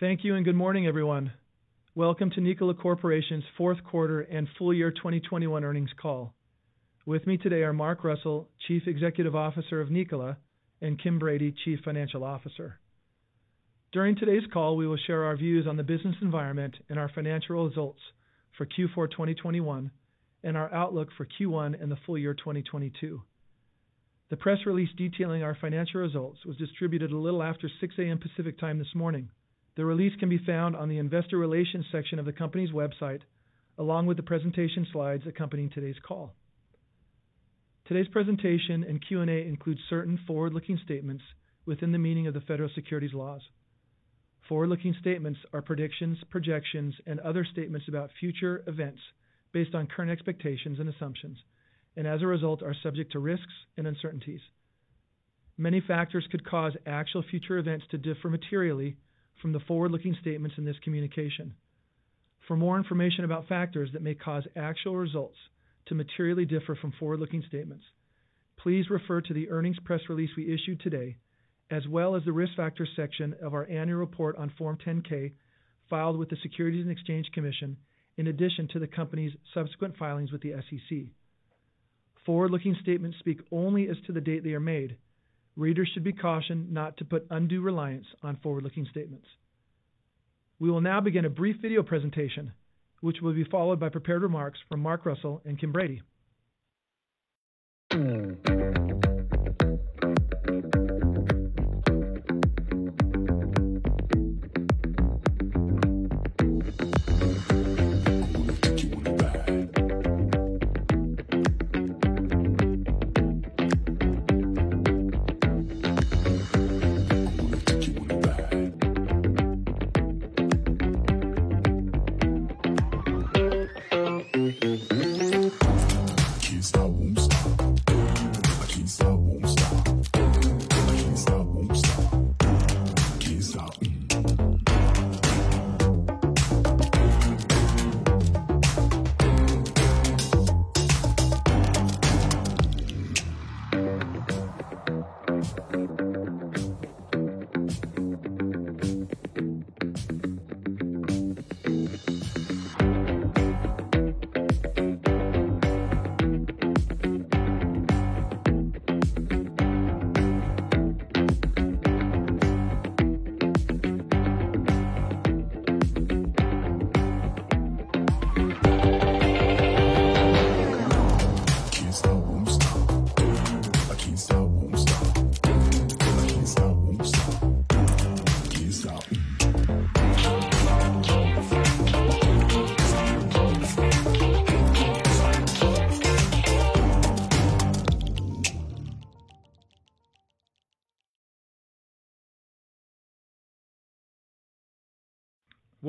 Thank you and good morning, everyone. Welcome to Nikola Corporation's fourth quarter and full year 2021 earnings call. With me today are Mark Russell, Chief Executive Officer of Nikola, and Kim Brady, Chief Financial Officer. During today's call, we will share our views on the business environment and our financial results for Q4 2021, and our outlook for Q1 and the full year 2022. The press release detailing our financial results was distributed a little after 6 A.M. Pacific time this morning. The release can be found on the investor relations section of the company's website, along with the presentation slides accompanying today's call. Today's presentation and Q&A includes certain forward-looking statements within the meaning of the federal securities laws. Forward-looking statements are predictions, projections, and other statements about future events based on current expectations and assumptions, and as a result, are subject to risks and uncertainties. Many factors could cause actual future events to differ materially from the forward-looking statements in this communication. For more information about factors that may cause actual results to materially differ from forward-looking statements, please refer to the earnings press release we issued today, as well as the Risk Factors section of our annual report on Form 10-K filed with the Securities and Exchange Commission, in addition to the company's subsequent filings with the SEC. Forward-looking statements speak only as to the date they are made. Readers should be cautioned not to put undue reliance on forward-looking statements. We will now begin a brief video presentation, which will be followed by prepared remarks from Mark Russell and Kim Brady.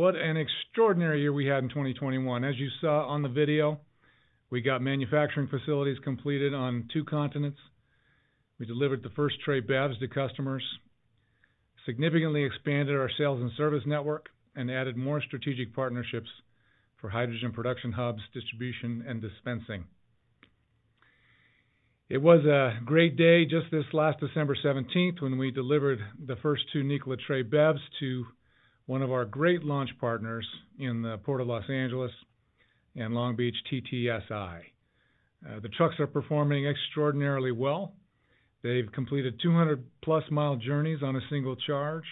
What an extraordinary year we had in 2021. As you saw on the video, we got manufacturing facilities completed on two continents. We delivered the first Tre BEVs to customers, significantly expanded our sales and service network, and added more strategic partnerships for hydrogen production hubs, distribution, and dispensing. It was a great day just this last December seventeenth when we delivered the first two Nikola Tre BEVs to one of our great launch partners in the Port of Los Angeles and Long Beach, TTSI. The trucks are performing extraordinarily well. They've completed 200-plus mile journeys on a single charge,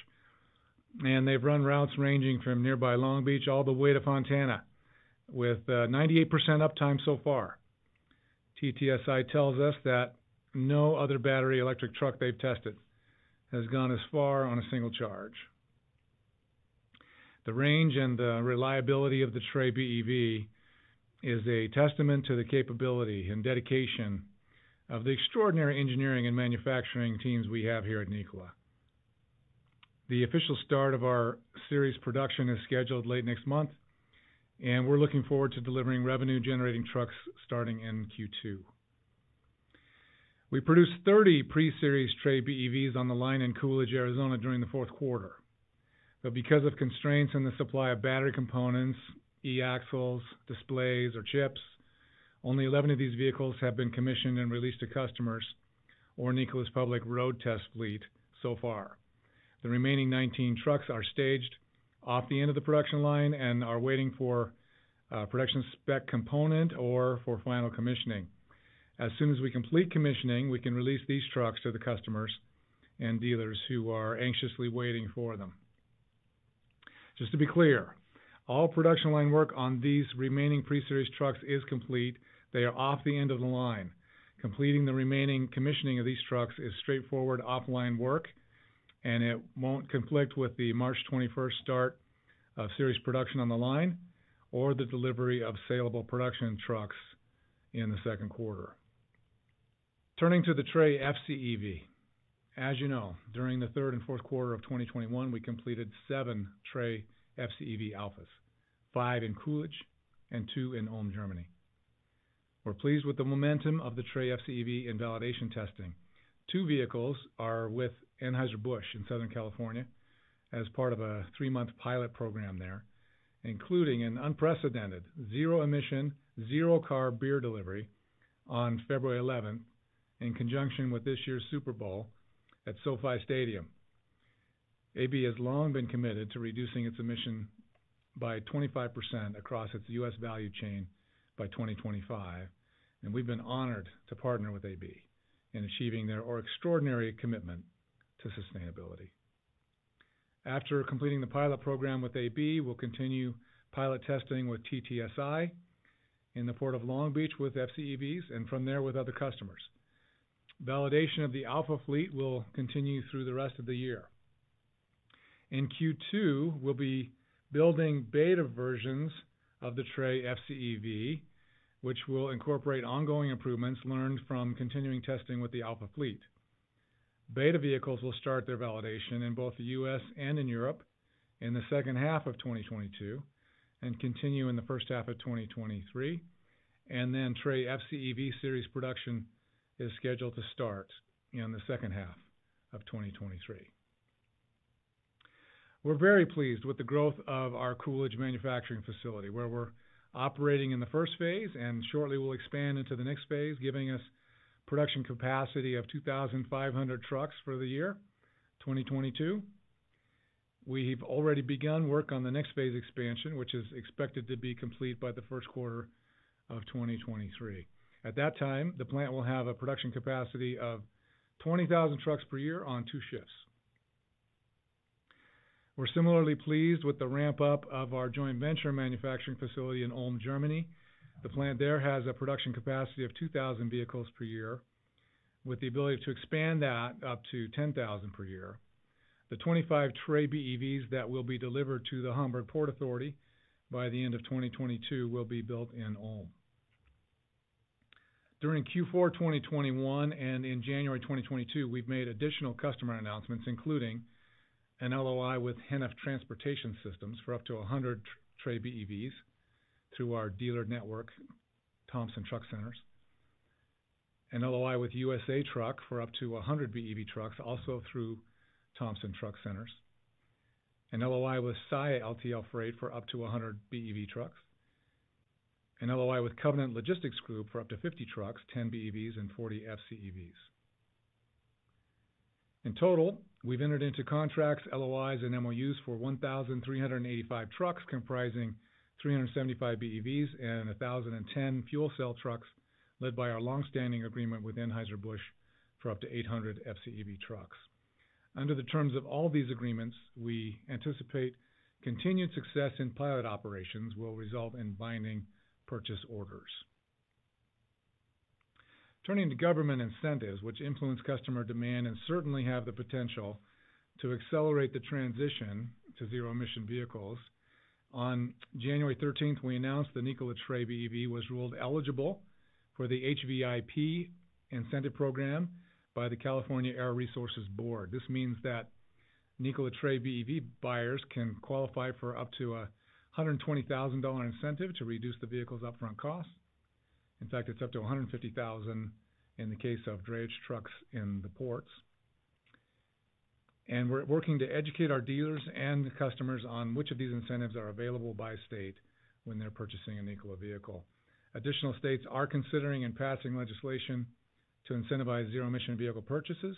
and they've run routes ranging from nearby Long Beach all the way to Fontana with 98% uptime so far. TTSI tells us that no other battery electric truck they've tested has gone as far on a single charge. The range and the reliability of the Tre BEV is a testament to the capability and dedication of the extraordinary engineering and manufacturing teams we have here at Nikola. The official start of our series production is scheduled late next month, and we're looking forward to delivering revenue-generating trucks starting in Q2. We produced 30 pre-series Tre BEVs on the line in Coolidge, Arizona during the fourth quarter. Because of constraints in the supply of battery components, e-axles, displays or chips, only 11 of these vehicles have been commissioned and released to customers or Nikola's public road test fleet so far. The remaining 19 trucks are staged off the end of the production line and are waiting for a production spec component or for final commissioning. As soon as we complete commissioning, we can release these trucks to the customers and dealers who are anxiously waiting for them. Just to be clear, all production line work on these remaining pre-series trucks is complete. They are off the end of the line. Completing the remaining commissioning of these trucks is straightforward offline work, and it won't conflict with the March 21 start of series production on the line or the delivery of saleable production trucks in the second quarter. Turning to the Tre FCEV. As you know, during the third and fourth quarter of 2021, we completed 7 Tre FCEV Alphas, 5 in Coolidge and 2 in Ulm, Germany. We're pleased with the momentum of the Tre FCEV in validation testing. Two vehicles are with Anheuser-Busch in Southern California as part of a 3-month pilot program there, including an unprecedented zero-emission, zero-carbon beer delivery. On February 11, in conjunction with this year's Super Bowl at SoFi Stadium. AB has long been committed to reducing its emissions by 25% across its U.S. value chain by 2025, and we've been honored to partner with AB in achieving their extraordinary commitment to sustainability. After completing the pilot program with AB, we'll continue pilot testing with TTSI in the Port of Long Beach with FCEVs and from there with other customers. Validation of the alpha fleet will continue through the rest of the year. In Q2, we'll be building beta versions of the Tre FCEV, which will incorporate ongoing improvements learned from continuing testing with the alpha fleet. Beta vehicles will start their validation in both the U.S. and in Europe in the second half of 2022 and continue in the first half of 2023. Tre FCEV series production is scheduled to start in the second half of 2023. We're very pleased with the growth of our Coolidge manufacturing facility, where we're operating in the first phase, and shortly we'll expand into the next phase, giving us production capacity of 2,500 trucks for the year 2022. We've already begun work on the next phase expansion, which is expected to be complete by the first quarter of 2023. At that time, the plant will have a production capacity of 20,000 trucks per year on two shifts. We're similarly pleased with the ramp-up of our joint venture manufacturing facility in Ulm, Germany. The plant there has a production capacity of 2,000 vehicles per year, with the ability to expand that up to 10,000 per year. The 25 Tre BEVs that will be delivered to the Hamburg Port Authority by the end of 2022 will be built in Ulm. During Q4 2021 and in January 2022, we've made additional customer announcements, including an LOI with Heniff Transportation Systems for up to 100 Tre BEVs through our dealer network, Thompson Truck Centers. An LOI with USA Truck for up to 100 BEV trucks, also through Thompson Truck Centers. An LOI with Saia LTL Freight for up to 100 BEV trucks. An LOI with Covenant Logistics Group for up to 50 trucks, 10 BEVs and 40 FCEVs. In total, we've entered into contracts, LOIs, and MOUs for 1,385 trucks, comprising 375 BEVs and 1,010 fuel cell trucks, led by our long-standing agreement with Anheuser-Busch for up to 800 FCEV trucks. Under the terms of all these agreements, we anticipate continued success in pilot operations will result in binding purchase orders. Turning to government incentives, which influence customer demand and certainly have the potential to accelerate the transition to zero-emission vehicles. On January thirteenth, we announced the Nikola Tre BEV was ruled eligible for the HVIP incentive program by the California Air Resources Board. This means that Nikola Tre BEV buyers can qualify for up to a $120,000 incentive to reduce the vehicle's upfront cost. In fact, it's up to a $150,000 in the case of drayage trucks in the ports. We're working to educate our dealers and customers on which of these incentives are available by state when they're purchasing a Nikola vehicle. Additional states are considering and passing legislation to incentivize zero-emission vehicle purchases,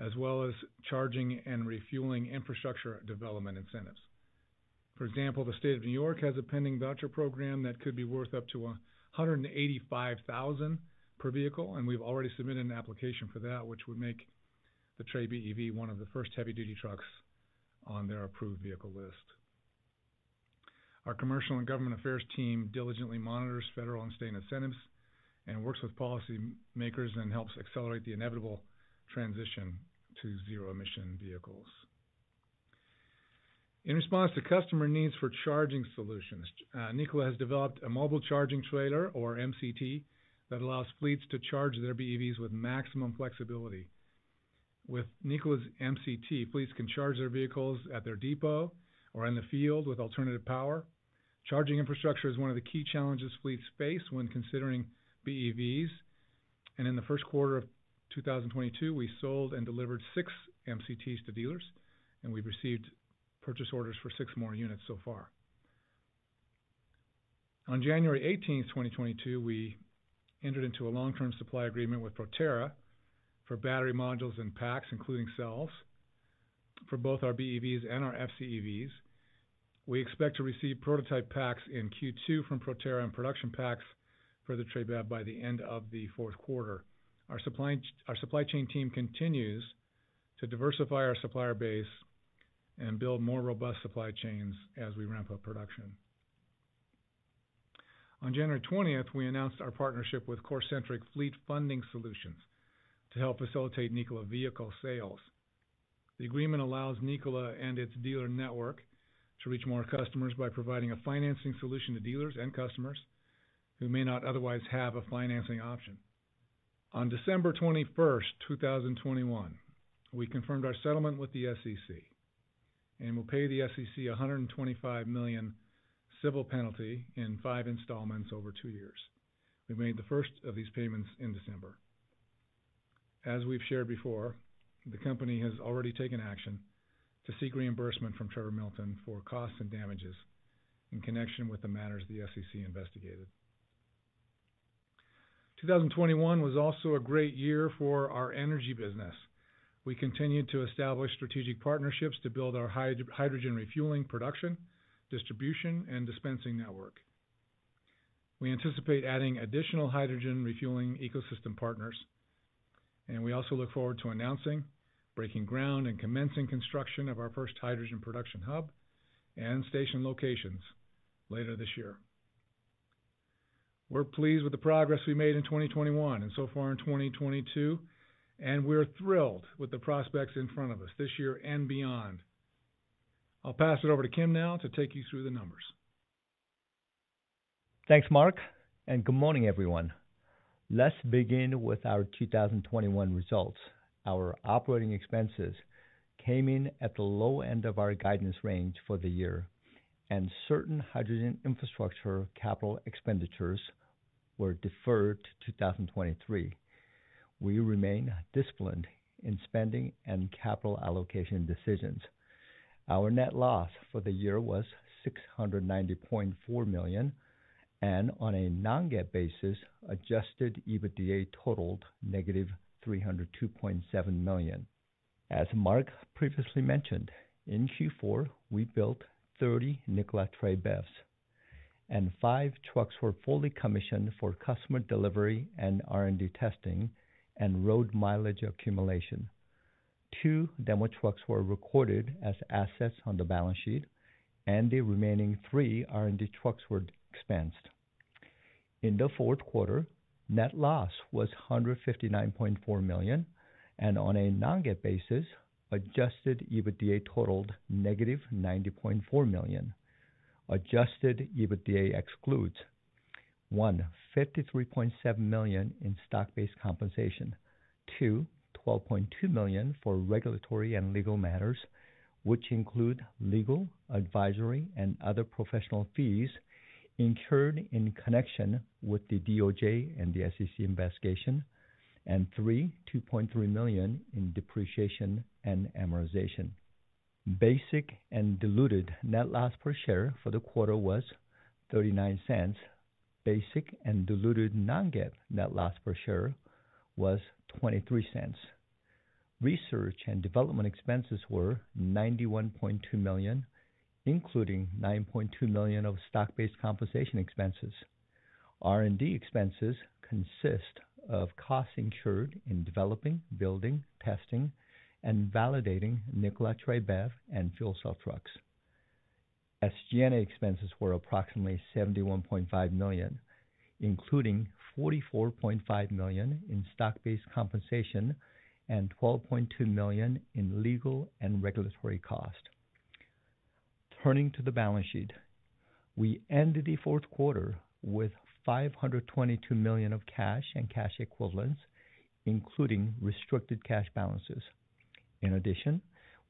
as well as charging and refueling infrastructure development incentives. For example, the state of New York has a pending voucher program that could be worth up to $185,000 per vehicle, and we've already submitted an application for that, which would make the Tre BEV one of the first heavy duty trucks on their approved vehicle list. Our commercial and government affairs team diligently monitors federal and state incentives and works with policy makers and helps accelerate the inevitable transition to zero-emission vehicles. In response to customer needs for charging solutions, Nikola has developed a mobile charging trailer or MCT that allows fleets to charge their BEVs with maximum flexibility. With Nikola's MCT, fleets can charge their vehicles at their depot or in the field with alternative power. Charging infrastructure is one of the key challenges fleets face when considering BEVs. In the first quarter of 2022, we sold and delivered six MCTs to dealers, and we've received purchase orders for six more units so far. On January 18, 2022, we entered into a long-term supply agreement with Proterra for battery modules and packs, including cells, for both our BEVs and our FCEVs. We expect to receive prototype packs in Q2 from Proterra and production packs for the Tre BEV by the end of the fourth quarter. Our supply chain team continues to diversify our supplier base and build more robust supply chains as we ramp up production. On January 20, we announced our partnership with Corcentric Fleet Funding Solutions to help facilitate Nikola vehicle sales. The agreement allows Nikola and its dealer network to reach more customers by providing a financing solution to dealers and customers who may not otherwise have a financing option. On December 21, 2021, we confirmed our settlement with the SEC, and we'll pay the SEC $125 million civil penalty in 5 installments over two years. We made the first of these payments in December. As we've shared before, the company has already taken action to seek reimbursement from Trevor Milton for costs and damages in connection with the matters the SEC investigated. 2021 was also a great year for our energy business. We continued to establish strategic partnerships to build our hydrogen refueling production, distribution, and dispensing network. We anticipate adding additional hydrogen refueling ecosystem partners, and we also look forward to announcing, breaking ground, and commencing construction of our first hydrogen production hub and station locations later this year. We're pleased with the progress we made in 2021 and so far in 2022, and we're thrilled with the prospects in front of us this year and beyond. I'll pass it over to Kim now to take you through the numbers. Thanks, Mark, and good morning, everyone. Let's begin with our 2021 results. Our operating expenses came in at the low end of our guidance range for the year, and certain hydrogen infrastructure capital expenditures were deferred to 2023. We remain disciplined in spending and capital allocation decisions. Our net loss for the year was $690.4 million, and on a non-GAAP basis, adjusted EBITDA totaled -$302.7 million. As Mark previously mentioned, in Q4, we built 30 Nikola Tre BEVs, and 5 trucks were fully commissioned for customer delivery and R&D testing and road mileage accumulation. 2 demo trucks were recorded as assets on the balance sheet, and the remaining 3 R&D trucks were expensed. In the fourth quarter, net loss was $159.4 million, and on a non-GAAP basis, adjusted EBITDA totaled negative $90.4 million. Adjusted EBITDA excludes one, $53.7 million in stock-based compensation. Two, $12.2 million for regulatory and legal matters, which include legal, advisory, and other professional fees incurred in connection with the DOJ and the SEC investigation. Three, $2.3 million in depreciation and amortization. Basic and diluted net loss per share for the quarter was $0.39. Basic and diluted non-GAAP net loss per share was $0.23. Research and development expenses were $91.2 million, including $9.2 million of stock-based compensation expenses. R&D expenses consist of costs incurred in developing, building, testing, and validating Nikola Tre BEV and fuel cell trucks. SG&A expenses were approximately $71.5 million, including $44.5 million in stock-based compensation and $12.2 million in legal and regulatory cost. Turning to the balance sheet. We ended the fourth quarter with $522 million of cash and cash equivalents, including restricted cash balances. In addition,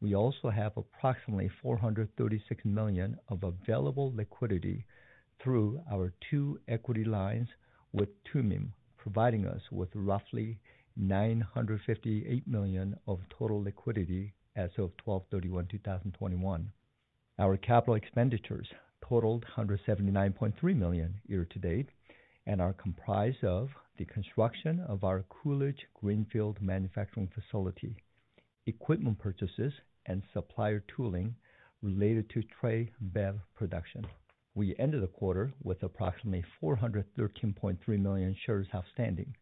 we also have approximately $436 million of available liquidity through our two equity lines with Tumim, providing us with roughly $958 million of total liquidity as of 12/31/2021. Our capital expenditures totaled $179.3 million year to date and are comprised of the construction of our Coolidge greenfield manufacturing facility, equipment purchases, and supplier tooling related to Tre BEV production. We ended the quarter with approximately 413.3 million shares outstanding.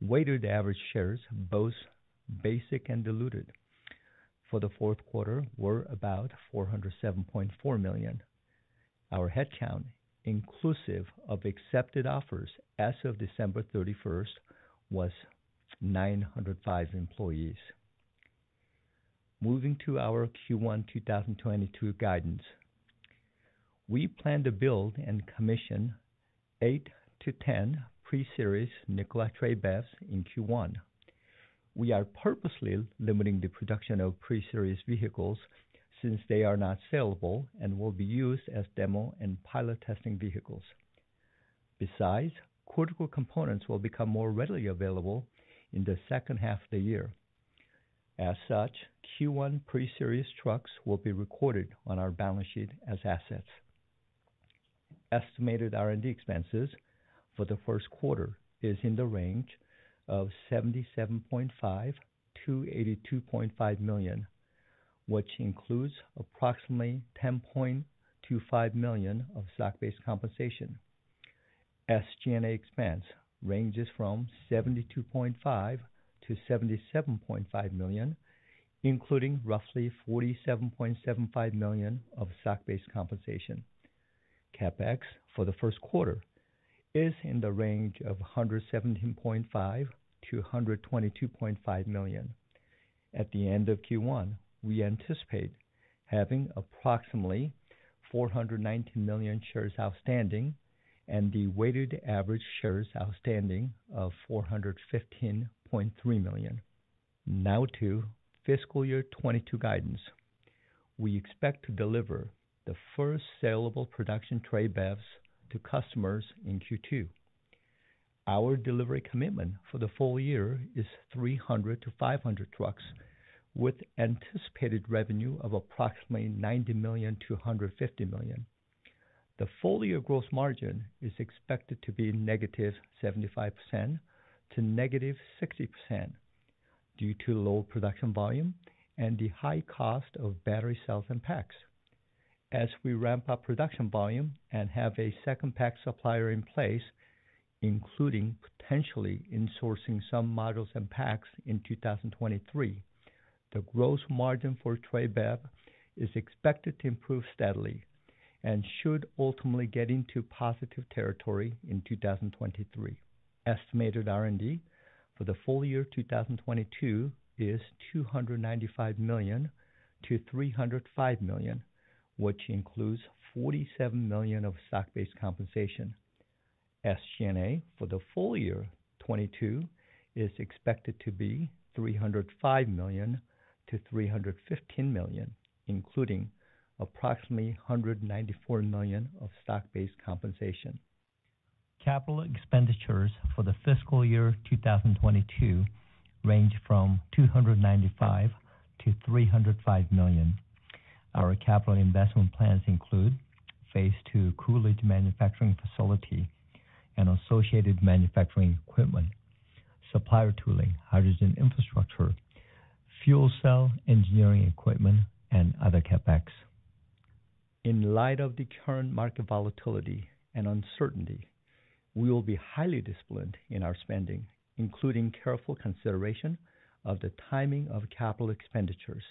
Weighted average shares, both basic and diluted for the fourth quarter, were about 407.4 million. Our headcount, inclusive of accepted offers as of December 31, was 905 employees. Moving to our Q1 2022 guidance. We plan to build and commission 8-10 pre-series Nikola Tre BEVs in Q1. We are purposely limiting the production of pre-series vehicles since they are not sellable and will be used as demo and pilot testing vehicles. Besides, critical components will become more readily available in the second half the year. As such, Q1 pre-series trucks will be recorded on our balance sheet as assets. Estimated R&D expenses for the first quarter is in the range of $77.5 million-$82.5 million, which includes approximately $10.25 million of stock-based compensation. SG&A expense ranges from $72.5 million-$77.5 million, including roughly $47.75 million of stock-based compensation. CapEx for the first quarter is in the range of $117.5 million-$122.5 million. At the end of Q1, we anticipate having approximately 419 million shares outstanding and the weighted average shares outstanding of 415.3 million. Now to fiscal year 2022 guidance. We expect to deliver the first saleable production Tre BEVs to customers in Q2. Our delivery commitment for the full year is 300-500 trucks, with anticipated revenue of approximately $90 million-$150 million. The full year gross margin is expected to be -75% to -60% due to low production volume and the high cost of battery cells and packs. As we ramp up production volume and have a second pack supplier in place, including potentially insourcing some modules and packs in 2023, the gross margin for Tre BEV is expected to improve steadily and should ultimately get into positive territory in 2023. Estimated R&D for the full year 2022 is $295 million-$305 million, which includes $47 million of stock-based compensation. SG&A for the full year 2022 is expected to be $305 million-$315 million, including approximately $194 million of stock-based compensation. Capital expenditures for the fiscal year 2022 range from $295 million-$305 million. Our capital investment plans include phase two Coolidge manufacturing facility and associated manufacturing equipment, supplier tooling, hydrogen infrastructure, fuel cell engineering equipment, and other CapEx. In light of the current market volatility and uncertainty, we will be highly disciplined in our spending, including careful consideration of the timing of capital expenditures.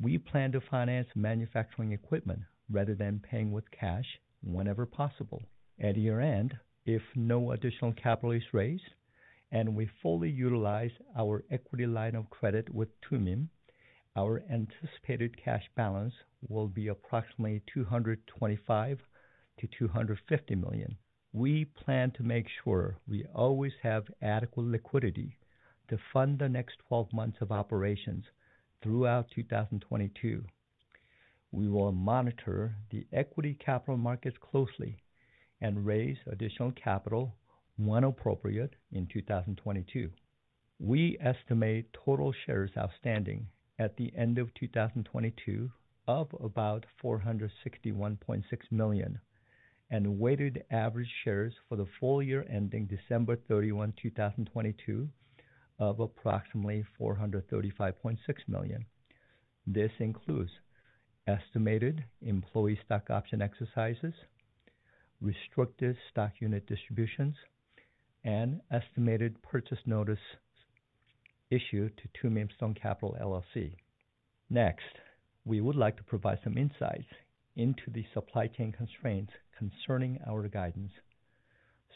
We plan to finance manufacturing equipment rather than paying with cash whenever possible. At year-end, if no additional capital is raised and we fully utilize our equity line of credit with Tumim, our anticipated cash balance will be approximately $225 million-$250 million. We plan to make sure we always have adequate liquidity to fund the next 12 months of operations throughout 2022. We will monitor the equity capital markets closely and raise additional capital when appropriate in 2022. We estimate total shares outstanding at the end of 2022 of about 461.6 million, and weighted average shares for the full year ending December 31, 2022 of approximately 435.6 million. This includes estimated employee stock option exercises, restricted stock unit distributions, and estimated purchase notice issued to Tumim Stone Capital LLC. Next, we would like to provide some insights into the supply chain constraints concerning our guidance.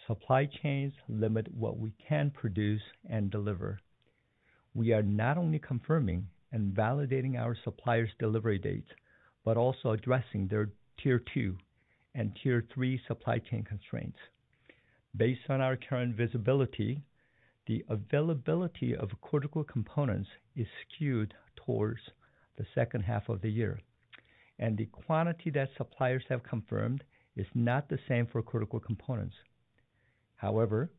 Supply chains limit what we can produce and deliver. We are not only confirming and validating our suppliers' delivery dates, but also addressing their tier two and tier three supply chain constraints. Based on our current visibility, the availability of critical components is skewed towards the second half of the year, and the quantity that suppliers have confirmed is not the same for critical components. However,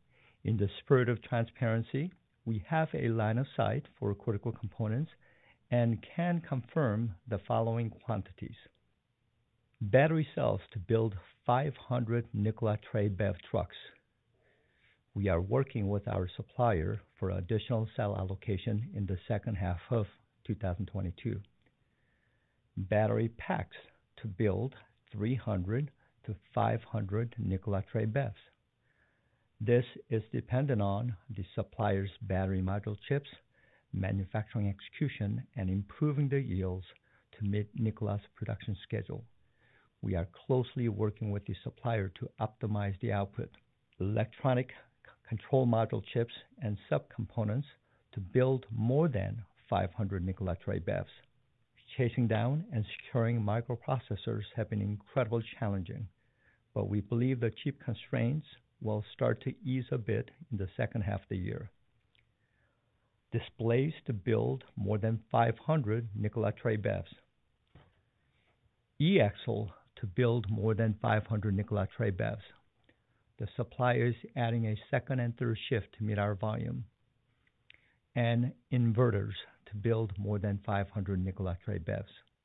in the spirit of transparency, we have a line of sight for critical components and can confirm the following quantities. Battery cells to build 500 Nikola Tre BEV trucks. We are working with our supplier for additional cell allocation in the second half of 2022. Battery packs to build 300-500 Nikola Tre BEVs. This is dependent on the supplier's battery module chips, manufacturing execution, and improving their yields to meet Nikola's production schedule. We are closely working with the supplier to optimize the output. Electronic control module chips and subcomponents to build more than 500 Nikola Tre BEVs. Chasing down and securing microprocessors have been incredibly challenging, but we believe the chip constraints will start to ease a bit in the second half of the year. Displays to build more than 500 Nikola Tre BEVs. e-axle to build more than 500 Nikola Tre BEVs. The supplier is adding a second and third shift to meet our volume. Inverters to build more than 500 Nikola Tre BEVs.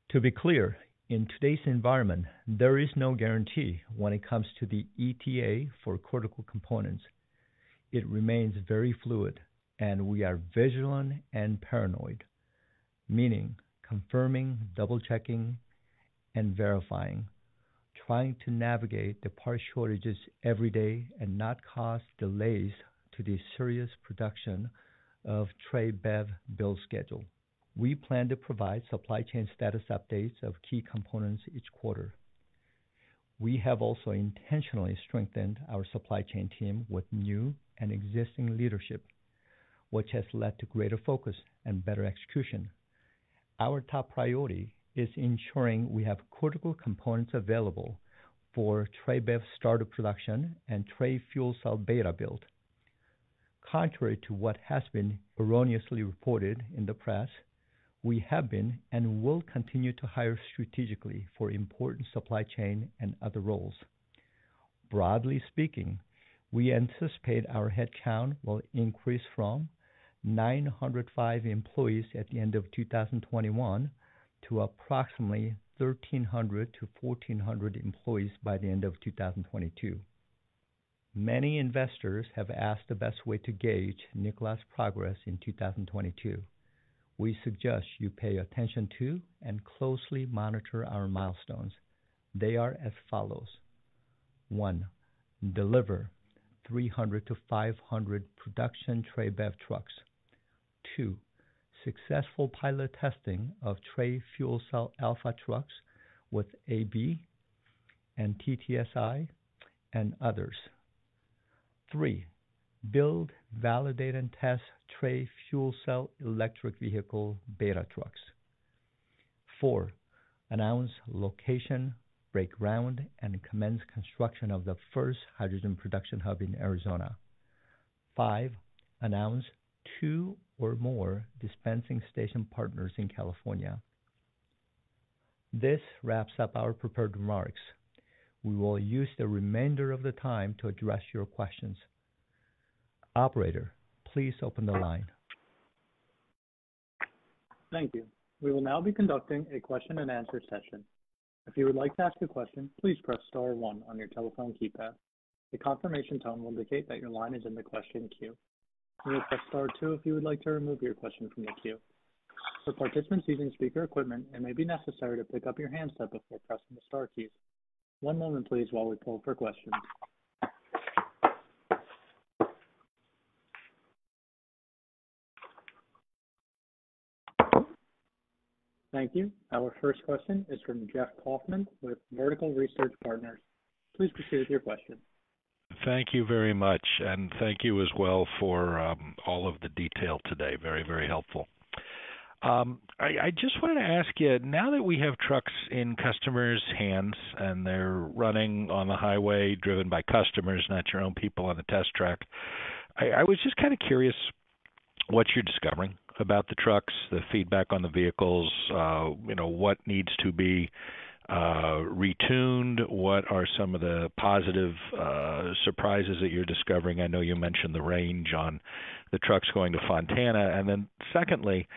To be clear, in today's environment, there is no guarantee when it comes to the ETA for critical components. It remains very fluid, and we are vigilant and paranoid. Meaning confirming, double-checking, and verifying, trying to navigate the parts shortages every day and not cause delays to the serial production of Tre BEV build schedule. We plan to provide supply chain status updates of key components each quarter. We have also intentionally strengthened our supply chain team with new and existing leadership, which has led to greater focus and better execution. Our top priority is ensuring we have critical components available for Tre BEV starter production and Tre fuel cell beta build. Contrary to what has been erroneously reported in the press, we have been and will continue to hire strategically for important supply chain and other roles. Broadly speaking, we anticipate our headcount will increase from 905 employees at the end of 2021 to approximately 1,300-1,400 employees by the end of 2022. Many investors have asked the best way to gauge Nikola's progress in 2022. We suggest you pay attention to and closely monitor our milestones. They are as follows. 1, deliver 300-500 production Tre BEV trucks. Two, successful pilot testing of Tre fuel cell alpha trucks with AB and TTSI and others. Three, build, validate, and test Tre fuel cell electric vehicle beta trucks. Four, announce location, break ground, and commence construction of the first hydrogen production hub in Arizona. Five, announce two or more dispensing station partners in California. This wraps up our prepared remarks. We will use the remainder of the time to address your questions. Operator, please open the line. Thank you. We will now be conducting a question-and-answer session. If you would like to ask a question, please press star one on your telephone keypad. A confirmation tone will indicate that your line is in the question queue. You may press star two if you would like to remove your question from the queue. For participants using speaker equipment, it may be necessary to pick up your handset before pressing the star keys. One moment please while we poll for questions. Thank you. Our first question is from Jeff Kauffman with Vertical Research Partners. Please proceed with your question. Thank you very much, and thank you as well for all of the detail today. Very, very helpful. I just wanted to ask you, now that we have trucks in customers' hands and they're running on the highway driven by customers, not your own people on the test track, I was just kind of curious what you're discovering about the trucks, the feedback on the vehicles, you know, what needs to be retuned? What are some of the positive surprises that you're discovering? I know you mentioned the range on the trucks going to Fontana. Secondly,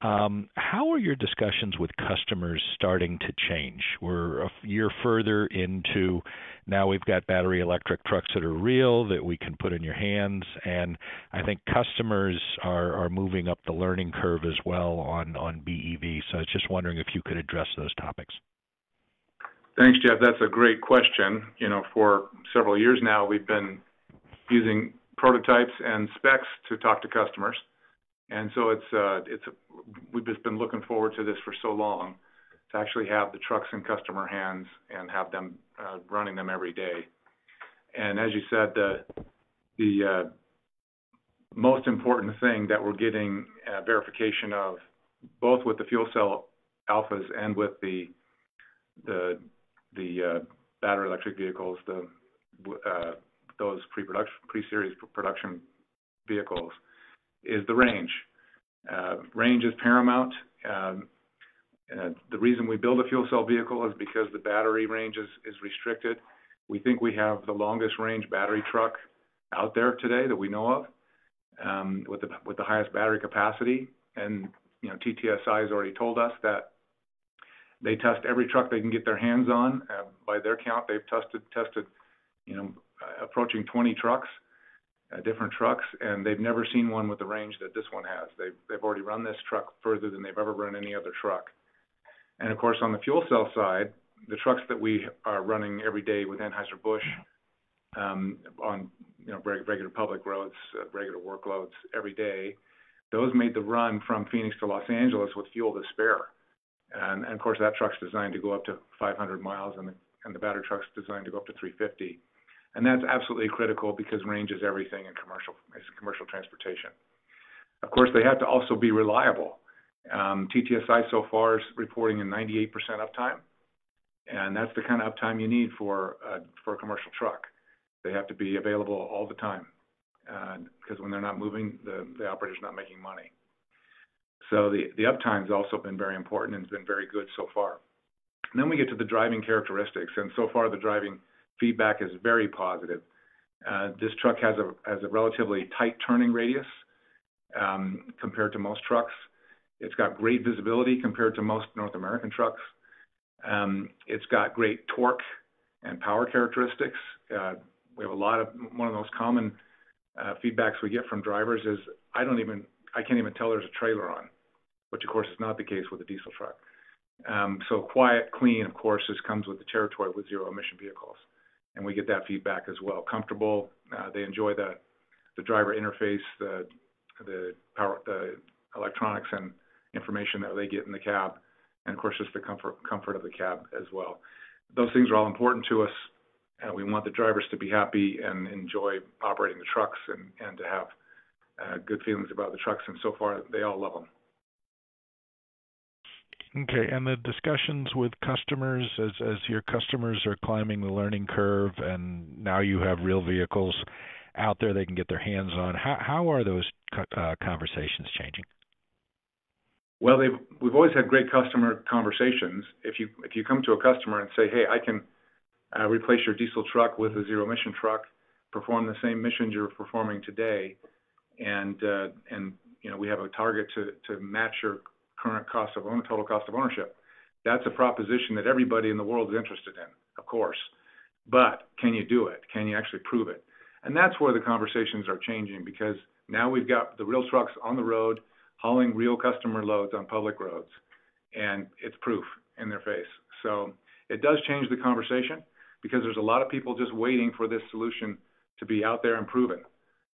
how are your discussions with customers starting to change? We're a year further into now we've got battery electric trucks that are real, that we can put in your hands, and I think customers are moving up the learning curve as well on BEV. I was just wondering if you could address those topics. Thanks, Jeff. That's a great question. You know, for several years now, we've been using prototypes and specs to talk to customers. We've just been looking forward to this for so long to actually have the trucks in customer hands and have them running them every day. As you said, the most important thing that we're getting verification of, both with the fuel cell alphas and with the battery electric vehicles, those pre-production, pre-series production vehicles, is the range. Range is paramount. The reason we build a fuel cell vehicle is because the battery range is restricted. We think we have the longest range battery truck out there today that we know of, with the highest battery capacity. You know, TTSI has already told us that they test every truck they can get their hands on. By their count, they've tested, you know, approaching 20 trucks, different trucks, and they've never seen one with the range that this one has. They've already run this truck further than they've ever run any other truck. Of course, on the fuel cell side, the trucks that we are running every day with Anheuser-Busch, on, you know, regular public roads, regular workloads every day, those made the run from Phoenix to Los Angeles with fuel to spare. Of course, that truck's designed to go up to 500 miles and the battery truck's designed to go up to 350. That's absolutely critical because range is everything in commercial, it's commercial transportation. Of course, they have to also be reliable. TTSI so far is reporting a 98% uptime, and that's the kind of uptime you need for a commercial truck. They have to be available all the time, 'cause when they're not moving, the operator's not making money. The uptime's also been very important and has been very good so far. We get to the driving characteristics, and so far the driving feedback is very positive. This truck has a relatively tight turning radius, compared to most trucks. It's got great visibility compared to most North American trucks. It's got great torque and power characteristics. We have a lot of. One of the most common feedbacks we get from drivers is, "I can't even tell there's a trailer on." Which of course is not the case with a diesel truck. So quiet, clean, of course, just comes with the territory with zero emission vehicles, and we get that feedback as well. Comfortable, they enjoy the driver interface, the power, the electronics and information that they get in the cab, and of course, just the comfort of the cab as well. Those things are all important to us, and we want the drivers to be happy and enjoy operating the trucks and to have good feelings about the trucks. So far, they all love them. Okay. The discussions with customers as your customers are climbing the learning curve, and now you have real vehicles out there they can get their hands on, how are those conversations changing? Well, we've always had great customer conversations. If you come to a customer and say, "Hey, I can replace your diesel truck with a zero emission truck, perform the same missions you're performing today, and, you know, we have a target to match your current total cost of ownership," that's a proposition that everybody in the world is interested in, of course. But can you do it? Can you actually prove it? That's where the conversations are changing, because now we've got the real trucks on the road hauling real customer loads on public roads, and it's proof in their face. It does change the conversation because there's a lot of people just waiting for this solution to be out there and proven.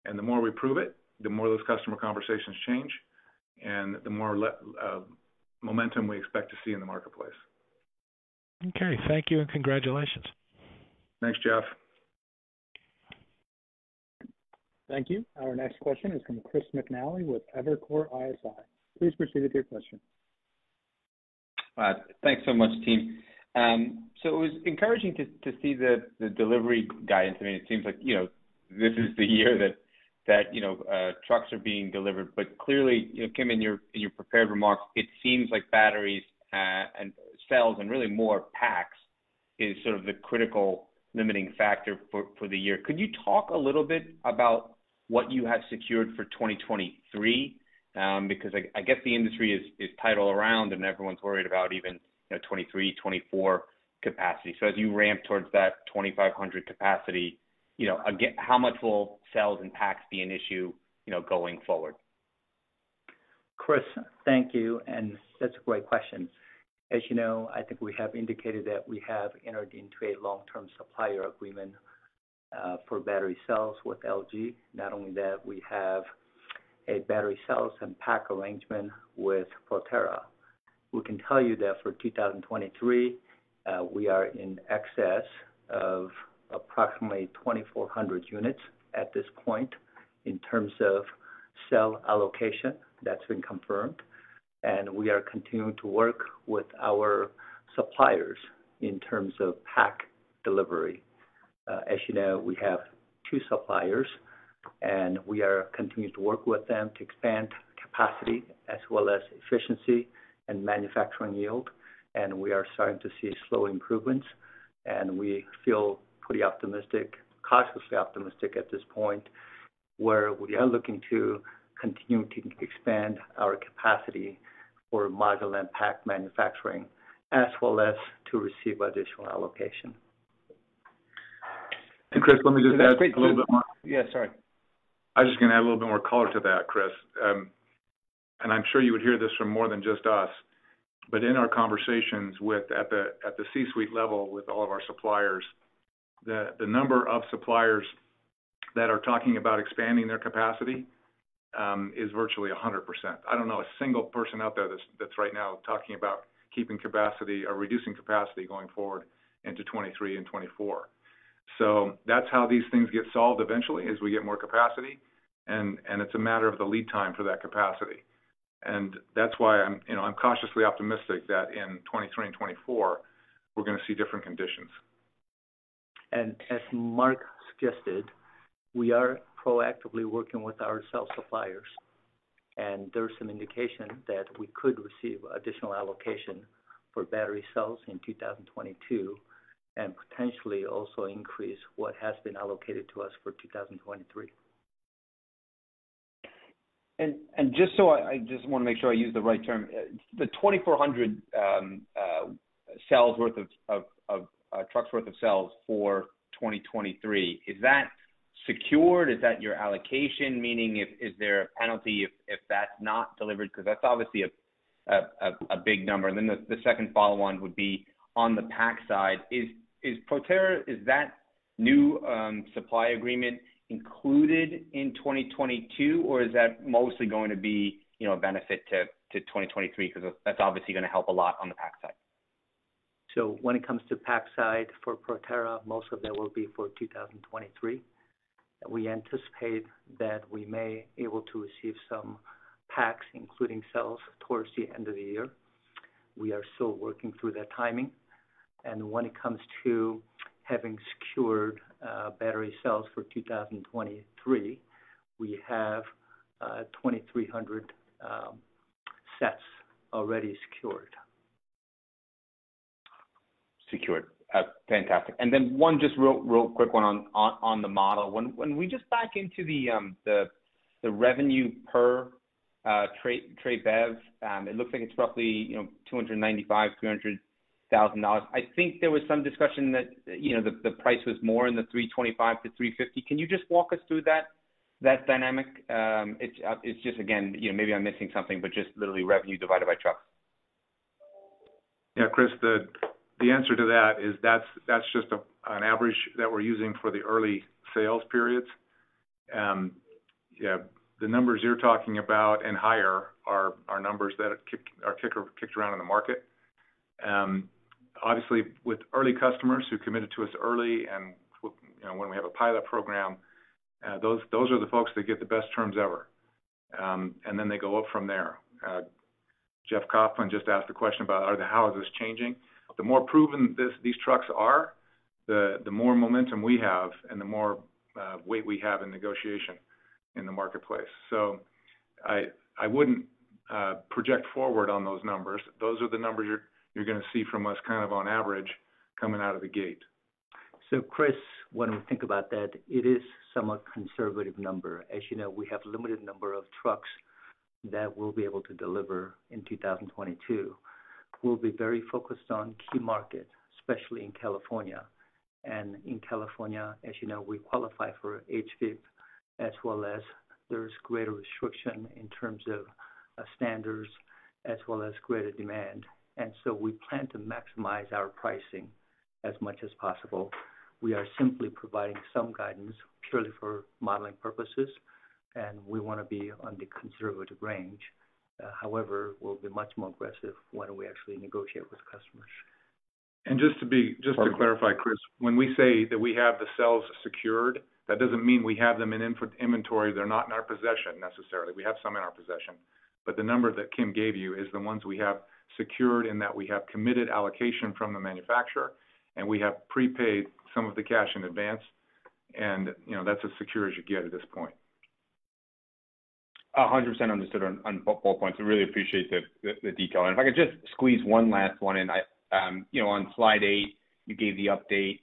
The more we prove it, the more those customer conversations change and the more momentum we expect to see in the marketplace. Okay. Thank you and congratulations. Thanks, Jeff. Thank you. Our next question is from Chris McNally with Evercore ISI. Please proceed with your question. Thanks so much, team. It was encouraging to see the delivery guidance. I mean, it seems like, you know, this is the year that you know trucks are being delivered. But clearly, you know, Kim, in your prepared remarks, it seems like batteries and cells and really more packs is sort of the critical limiting factor for the year. Could you talk a little bit about what you have secured for 2023? Because I guess the industry is tight all around and everyone's worried about even, you know, 2023, 2024 capacity. As you ramp towards that 2,500 capacity, you know, again, how much will cells and packs be an issue, you know, going forward? Chris, thank you, and that's a great question. As you know, I think we have indicated that we have entered into a long-term supplier agreement for battery cells with LG. Not only that, we have a battery cells and pack arrangement with Proterra. We can tell you that for 2023, we are in excess of approximately 2,400 units at this point in terms of cell allocation. That's been confirmed. We are continuing to work with our suppliers in terms of pack delivery. As you know, we have two suppliers, and we are continuing to work with them to expand capacity as well as efficiency and manufacturing yield. We are starting to see slow improvements, and we feel pretty optimistic, cautiously optimistic at this point, where we are looking to continue to expand our capacity for module and pack manufacturing as well as to receive additional allocation. Chris, let me just add a little bit more. Yeah, sorry. I was just gonna add a little bit more color to that, Chris. I'm sure you would hear this from more than just us, but in our conversations at the C-suite level with all of our suppliers, the number of suppliers that are talking about expanding their capacity is virtually 100%. I don't know a single person out there that's right now talking about keeping capacity or reducing capacity going forward into 2023 and 2024. That's how these things get solved eventually as we get more capacity and it's a matter of the lead time for that capacity. That's why I'm, you know, I'm cautiously optimistic that in 2023 and 2024, we're gonna see different conditions. As Mark suggested, we are proactively working with our cell suppliers and there are some indication that we could receive additional allocation for battery cells in 2022, and potentially also increase what has been allocated to us for 2023. Just so I just wanna make sure I use the right term. The 2,400 trucks worth of cells for 2023, is that secured? Is that your allocation? Meaning, is there a penalty if that's not delivered? Because that's obviously a big number. Then the second follow on would be on the pack side. Is Proterra, is that new supply agreement included in 2022 or is that mostly going to be, you know, a benefit to 2023? Because that's obviously gonna help a lot on the pack side. When it comes to pack side for Proterra, most of that will be for 2023. We anticipate that we may be able to receive some packs including cells towards the end of the year. We are still working through their timing. When it comes to having secured battery cells for 2023, we have 2,300 sets already secured. Secured. Fantastic. Then one just real quick one on the model. When we just back into the revenue per Tre BEV, it looks like it's roughly $295,000-$300,000. I think there was some discussion that the price was more in the $325,000-$350,000. Can you just walk us through that dynamic? It's just again, maybe I'm missing something, but just literally revenue divided by truck. Yeah, Chris, the answer to that is that's just an average that we're using for the early sales periods. The numbers you're talking about and higher are numbers that are kicked around in the market. Obviously with early customers who committed to us early and when we have a pilot program, those are the folks that get the best terms ever, and then they go up from there. Jeff Kauffman just asked a question about how this is changing. The more proven these trucks are, the more momentum we have and the more weight we have in negotiation in the marketplace. I wouldn't project forward on those numbers. Those are the numbers you're gonna see from us kind of on average coming out of the gate. Chris, when we think about that, it is somewhat conservative number. As you know, we have limited number of trucks that we'll be able to deliver in 2022. We'll be very focused on key market, especially in California. In California, as you know, we qualify for HVIP as well as there is greater restriction in terms of standards as well as greater demand. We plan to maximize our pricing as much as possible. We are simply providing some guidance purely for modeling purposes, and we wanna be on the conservative range. However, we'll be much more aggressive when we actually negotiate with customers. And just to be- Mark. Just to clarify, Chris, when we say that we have the cells secured, that doesn't mean we have them in inventory. They're not in our possession necessarily. We have some in our possession, but the number that Kim gave you is the ones we have secured and that we have committed allocation from the manufacturer, and we have prepaid some of the cash in advance. You know, that's as secure as you get at this point. 100% understood on both points. I really appreciate the detail. If I could just squeeze one last one in. I, you know, on slide 8, you gave the update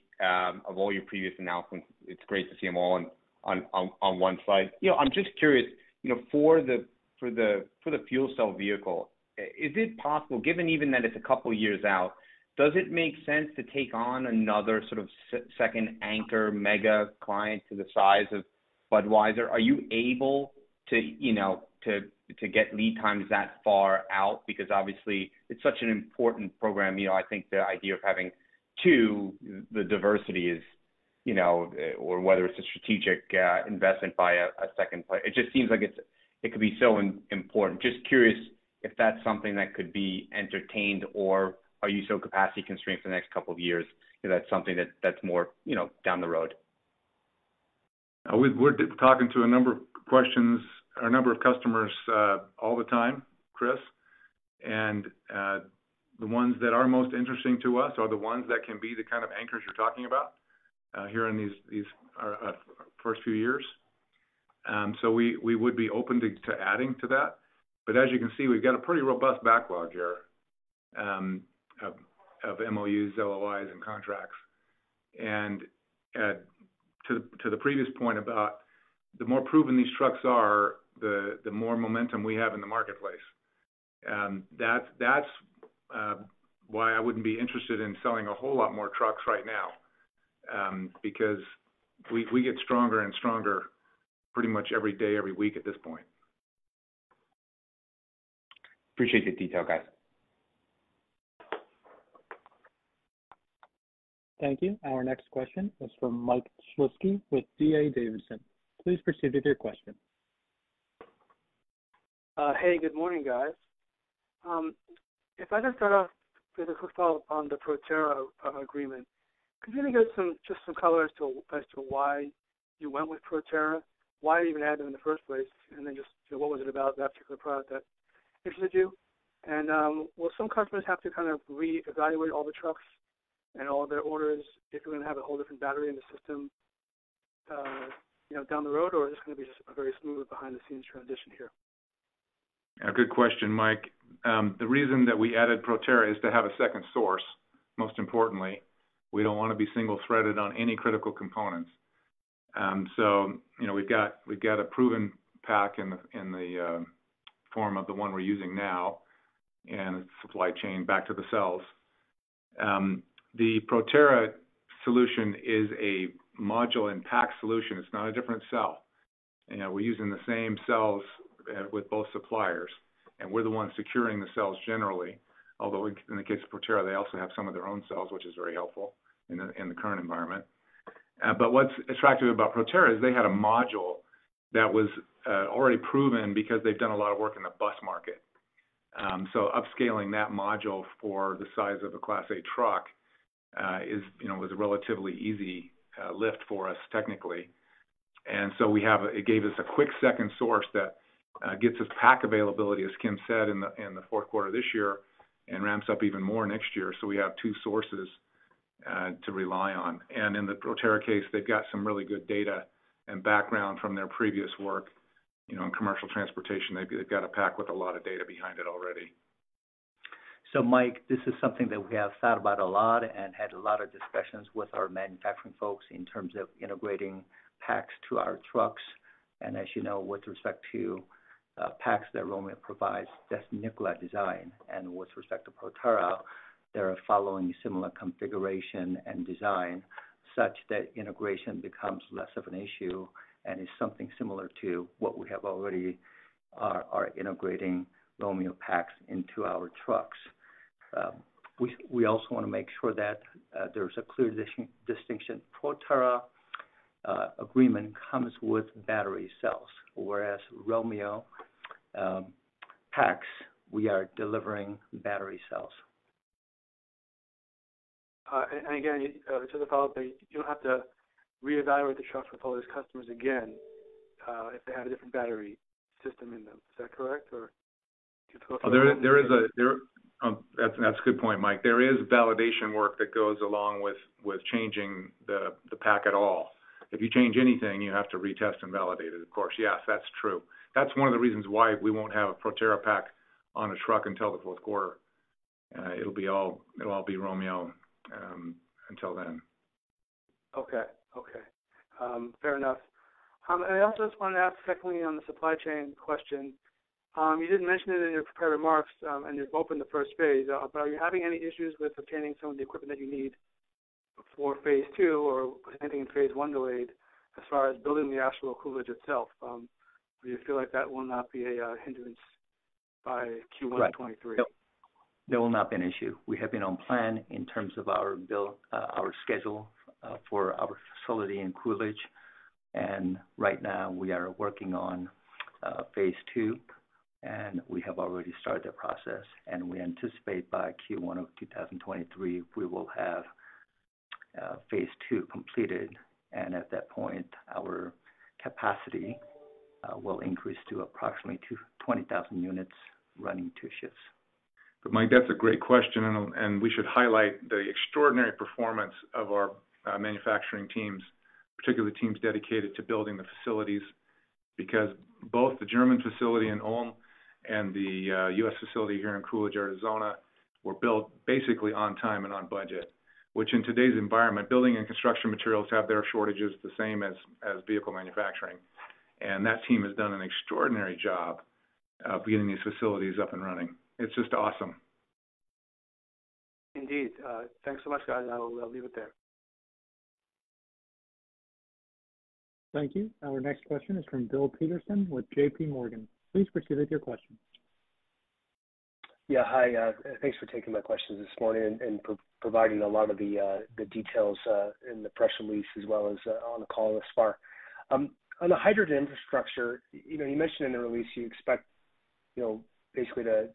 of all your previous announcements. It's great to see them all on one slide. You know, I'm just curious, you know, for the fuel cell vehicle, is it possible, given even that it's a couple years out, does it make sense to take on another sort of second anchor mega client to the size of Budweiser? Are you able to, you know, get lead times that far out? Because obviously it's such an important program. You know, I think the idea of having two, the diversity is, you know, or whether it's a strategic investment by a second player. It just seems like it could be so important. Just curious if that's something that could be entertained, or are you so capacity constrained for the next couple of years, you know, that's something that's more, you know, down the road? We're talking to a number of customers all the time, Chris, and the ones that are most interesting to us are the ones that can be the kind of anchors you're talking about here in these first few years. We would be open to adding to that. As you can see, we've got a pretty robust backlog here of MOUs, LOIs and contracts. To the previous point about the more proven these trucks are, the more momentum we have in the marketplace. That's why I wouldn't be interested in selling a whole lot more trucks right now because we get stronger and stronger pretty much every day, every week at this point. appreciate the detail, guys. Thank you. Our next question is from Michael Shlisky with D.A. Davidson. Please proceed with your question. Hey, good morning, guys. If I just start off with a quick follow-up on the Proterra agreement. Could you maybe give some, just some color as to why you went with Proterra, why you even had them in the first place, and then just what was it about that particular product that interested you? Will some customers have to kind of reevaluate all the trucks and all their orders if you're gonna have a whole different battery in the system, you know, down the road, or is this gonna be just a very smooth behind-the-scenes transition here? A good question, Michael. The reason that we added Proterra is to have a second source, most importantly. We don't wanna be single-threaded on any critical components. You know, we've got a proven pack in the form of the one we're using now, and it's supply chain back to the cells. The Proterra solution is a module and pack solution. It's not a different cell. You know, we're using the same cells with both suppliers, and we're the ones securing the cells generally. Although in the case of Proterra, they also have some of their own cells, which is very helpful in the current environment. What's attractive about Proterra is they had a module that was already proven because they've done a lot of work in the bus market. Upscaling that module for the size of a Class 8 truck is, you know, was a relatively easy lift for us technically. It gave us a quick second source that gets us pack availability, as Kim said, in the fourth quarter this year and ramps up even more next year. We have two sources to rely on. In the Proterra case, they've got some really good data and background from their previous work, you know, in commercial transportation. They've got a pack with a lot of data behind it already. Michael, this is something that we have thought about a lot and had a lot of discussions with our manufacturing folks in terms of integrating packs to our trucks. As you know, with respect to packs that Romeo provides, that's Nikola design. With respect to Proterra, they are following similar configuration and design such that integration becomes less of an issue and is something similar to what we have already are integrating Romeo packs into our trucks. We also wanna make sure that there's a clear distinction. Proterra agreement comes with battery cells, whereas Romeo packs, we are delivering battery cells. Again, just as a follow-up, you'll have to reevaluate the trucks with all these customers again, if they have a different battery system in them. Is that correct or? That's a good point, Michael. There is validation work that goes along with changing the pack at all. If you change anything, you have to retest and validate it, of course. Yes, that's true. That's one of the reasons why we won't have a Proterra pack on a truck until the fourth quarter. It'll all be Romeo until then. Okay. Fair enough. And I also just wanted to ask secondly on the supply chain question. You didn't mention it in your prepared remarks, and you've opened the first phase, but are you having any issues with obtaining some of the equipment that you need for phase two, or is anything in phase one delayed as far as building the actual Coolidge itself? Do you feel like that will not be a hindrance by Q1 2023? Right. No. There will not be an issue. We have been on plan in terms of our build, our schedule, for our facility in Coolidge. Right now, we are working on phase two, and we have already started the process. We anticipate by Q1 of 2023, we will have phase two completed. At that point, our capacity will increase to approximately 20,000 units running two shifts. Michael, that's a great question, and we should highlight the extraordinary performance of our manufacturing teams, particularly teams dedicated to building the facilities, because both the German facility in Ulm and the U.S. facility here in Coolidge, Arizona, were built basically on time and on budget, which in today's environment, building and construction materials have their shortages the same as vehicle manufacturing. That team has done an extraordinary job of getting these facilities up and running. It's just awesome. Indeed. Thanks so much, guys. I'll leave it there. Thank you. Our next question is from Bill Peterson with JPMorgan. Please proceed with your question. Yeah, hi. Thanks for taking my questions this morning and providing a lot of the details in the press release as well as on the call thus far. On the hydrogen infrastructure, you know, you mentioned in the release you expect, you know, basically to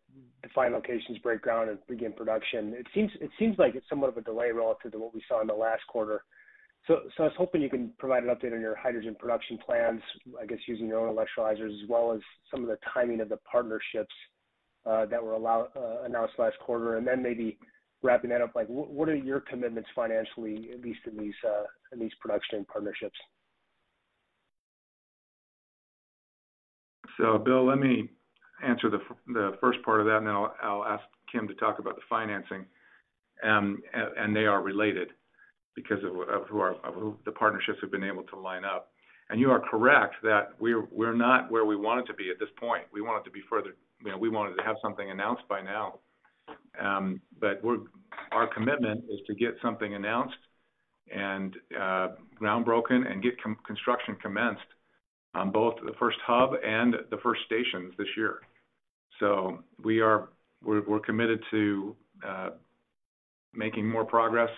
define locations, break ground, and begin production. It seems like it's somewhat of a delay relative to what we saw in the last quarter. I was hoping you can provide an update on your hydrogen production plans, I guess, using your own electrolyzers as well as some of the timing of the partnerships that were announced last quarter. Maybe wrapping that up, like what are your commitments financially, at least in these production partnerships? Bill, let me answer the first part of that, and then I'll ask Kim to talk about the financing. They are related because of who the partnerships have been able to line up. You are correct that we're not where we wanted to be at this point. We wanted to be further. You know, we wanted to have something announced by now. Our commitment is to get something announced and ground broken and get construction commenced on both the first hub and the first stations this year. We're committed to making more progress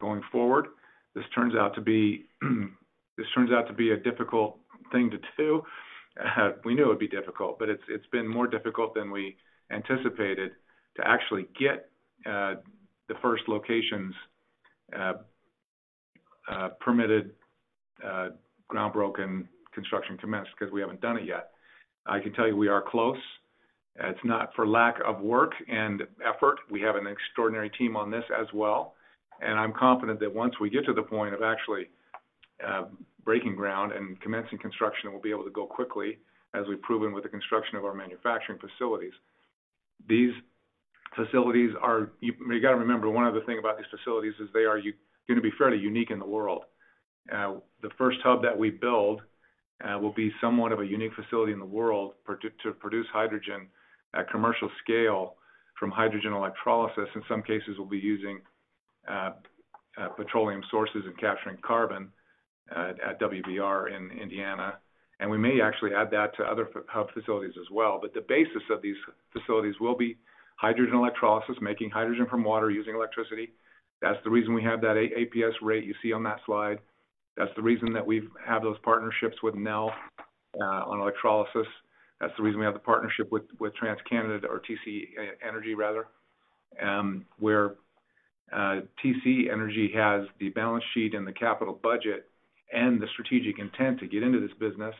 going forward. This turns out to be a difficult thing to do. We knew it would be difficult, but it's been more difficult than we anticipated to actually get the first locations permitted, ground broken, construction commenced because we haven't done it yet. I can tell you we are close. It's not for lack of work and effort. We have an extraordinary team on this as well, and I'm confident that once we get to the point of actually breaking ground and commencing construction, we'll be able to go quickly as we've proven with the construction of our manufacturing facilities. You gotta remember, one other thing about these facilities is they are gonna be fairly unique in the world. The first hub that we build will be somewhat of a unique facility in the world to produce hydrogen at commercial scale from hydrogen electrolysis. In some cases, we'll be using petroleum sources and capturing carbon at WVR in Indiana. We may actually add that to other hub facilities as well. The basis of these facilities will be hydrogen electrolysis, making hydrogen from water using electricity. That's the reason we have that APS rate you see on that slide. That's the reason that we've had those partnerships with Nel on electrolysis. That's the reason we have the partnership with TransCanada or TC Energy rather, where TC Energy has the balance sheet and the capital budget and the strategic intent to get into this business.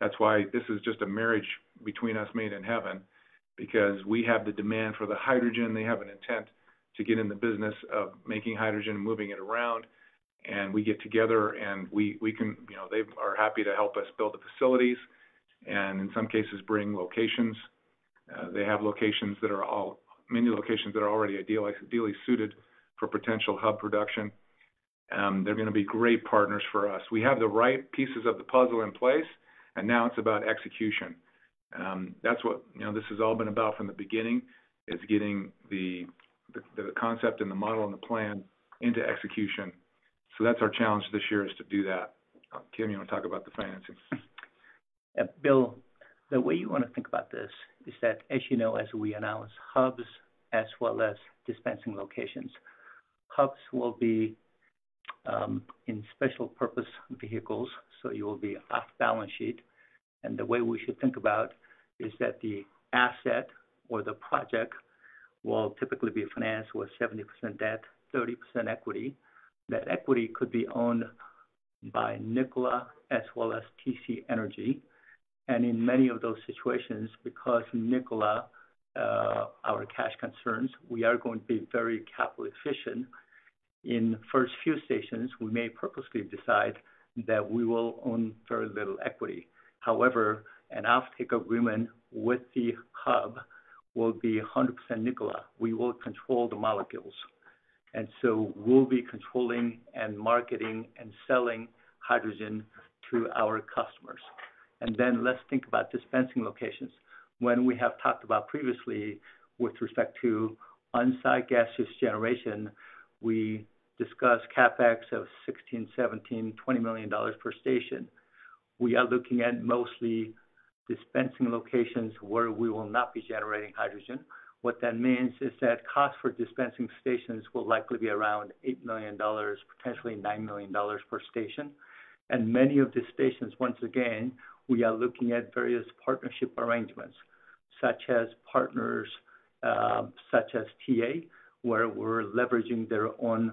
That's why this is just a marriage between us made in heaven because we have the demand for the hydrogen. They have an intent to get in the business of making hydrogen and moving it around. We get together. You know, they are happy to help us build the facilities and in some cases bring locations. They have many locations that are already ideally suited for potential hub production. They're gonna be great partners for us. We have the right pieces of the puzzle in place, and now it's about execution. That's what, you know, this has all been about from the beginning, is getting the concept and the model and the plan into execution. That's our challenge this year, is to do that. Kim, you wanna talk about the financing? Bill, the way you want to think about this is that, as you know, as we analyze hubs as well as dispensing locations, hubs will be in special purpose vehicles, so you will be off balance sheet. The way we should think about is that the asset or the project will typically be financed with 70% debt, 30% equity. That equity could be owned by Nikola as well as TC Energy. In many of those situations, because Nikola, our cash concerns, we are going to be very capital efficient. In first few stations, we may purposely decide that we will own very little equity. However, an offtake agreement with the hub will be 100% Nikola. We will control the molecules. We'll be controlling and marketing and selling hydrogen to our customers. Then let's think about dispensing locations. When we have talked about previously with respect to on-site gaseous generation, we discussed CapEx of $16 million, $17 million, $20 million per station. We are looking at mostly dispensing locations where we will not be generating hydrogen. What that means is that cost for dispensing stations will likely be around $8 million, potentially $9 million per station. Many of the stations, once again, we are looking at various partnership arrangements, such as partners, such as TA, where we're leveraging their own,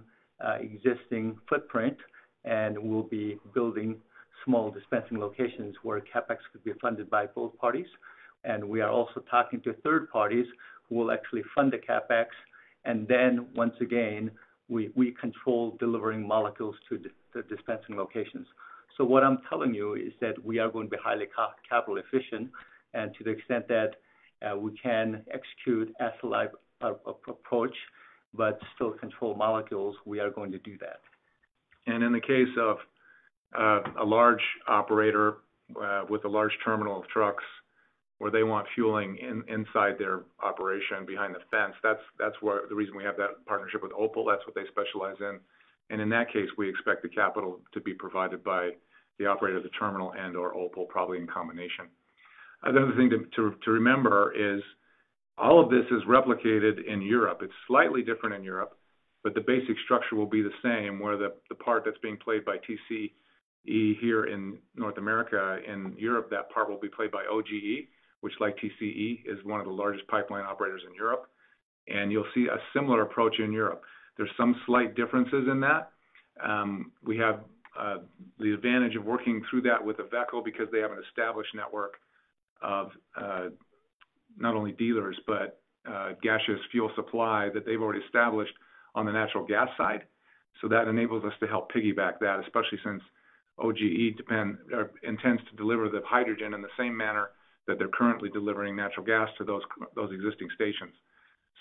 existing footprint, and we'll be building small dispensing locations where CapEx could be funded by both parties. We are also talking to third parties who will actually fund the CapEx. Once again, we control delivering molecules to the dispensing locations. What I'm telling you is that we are going to be highly capital efficient. To the extent that we can execute as light an approach, but still control molecules, we are going to do that. In the case of a large operator with a large terminal of trucks where they want fueling inside their operation behind the fence, that's where the reason we have that partnership with OPAL, that's what they specialize in. In that case, we expect the capital to be provided by the operator of the terminal and/or OPAL, probably in combination. Another thing to remember is all of this is replicated in Europe. It's slightly different in Europe, but the basic structure will be the same, where the part that's being played by TCE here in North America, in Europe, that part will be played by OGE, which like TCE, is one of the largest pipeline operators in Europe. You'll see a similar approach in Europe. There's some slight differences in that. We have the advantage of working through that with IVECO because they have an established network of not only dealers, but gaseous fuel supply that they've already established on the natural gas side. That enables us to help piggyback that, especially since OGE intends to deliver the hydrogen in the same manner that they're currently delivering natural gas to those existing stations.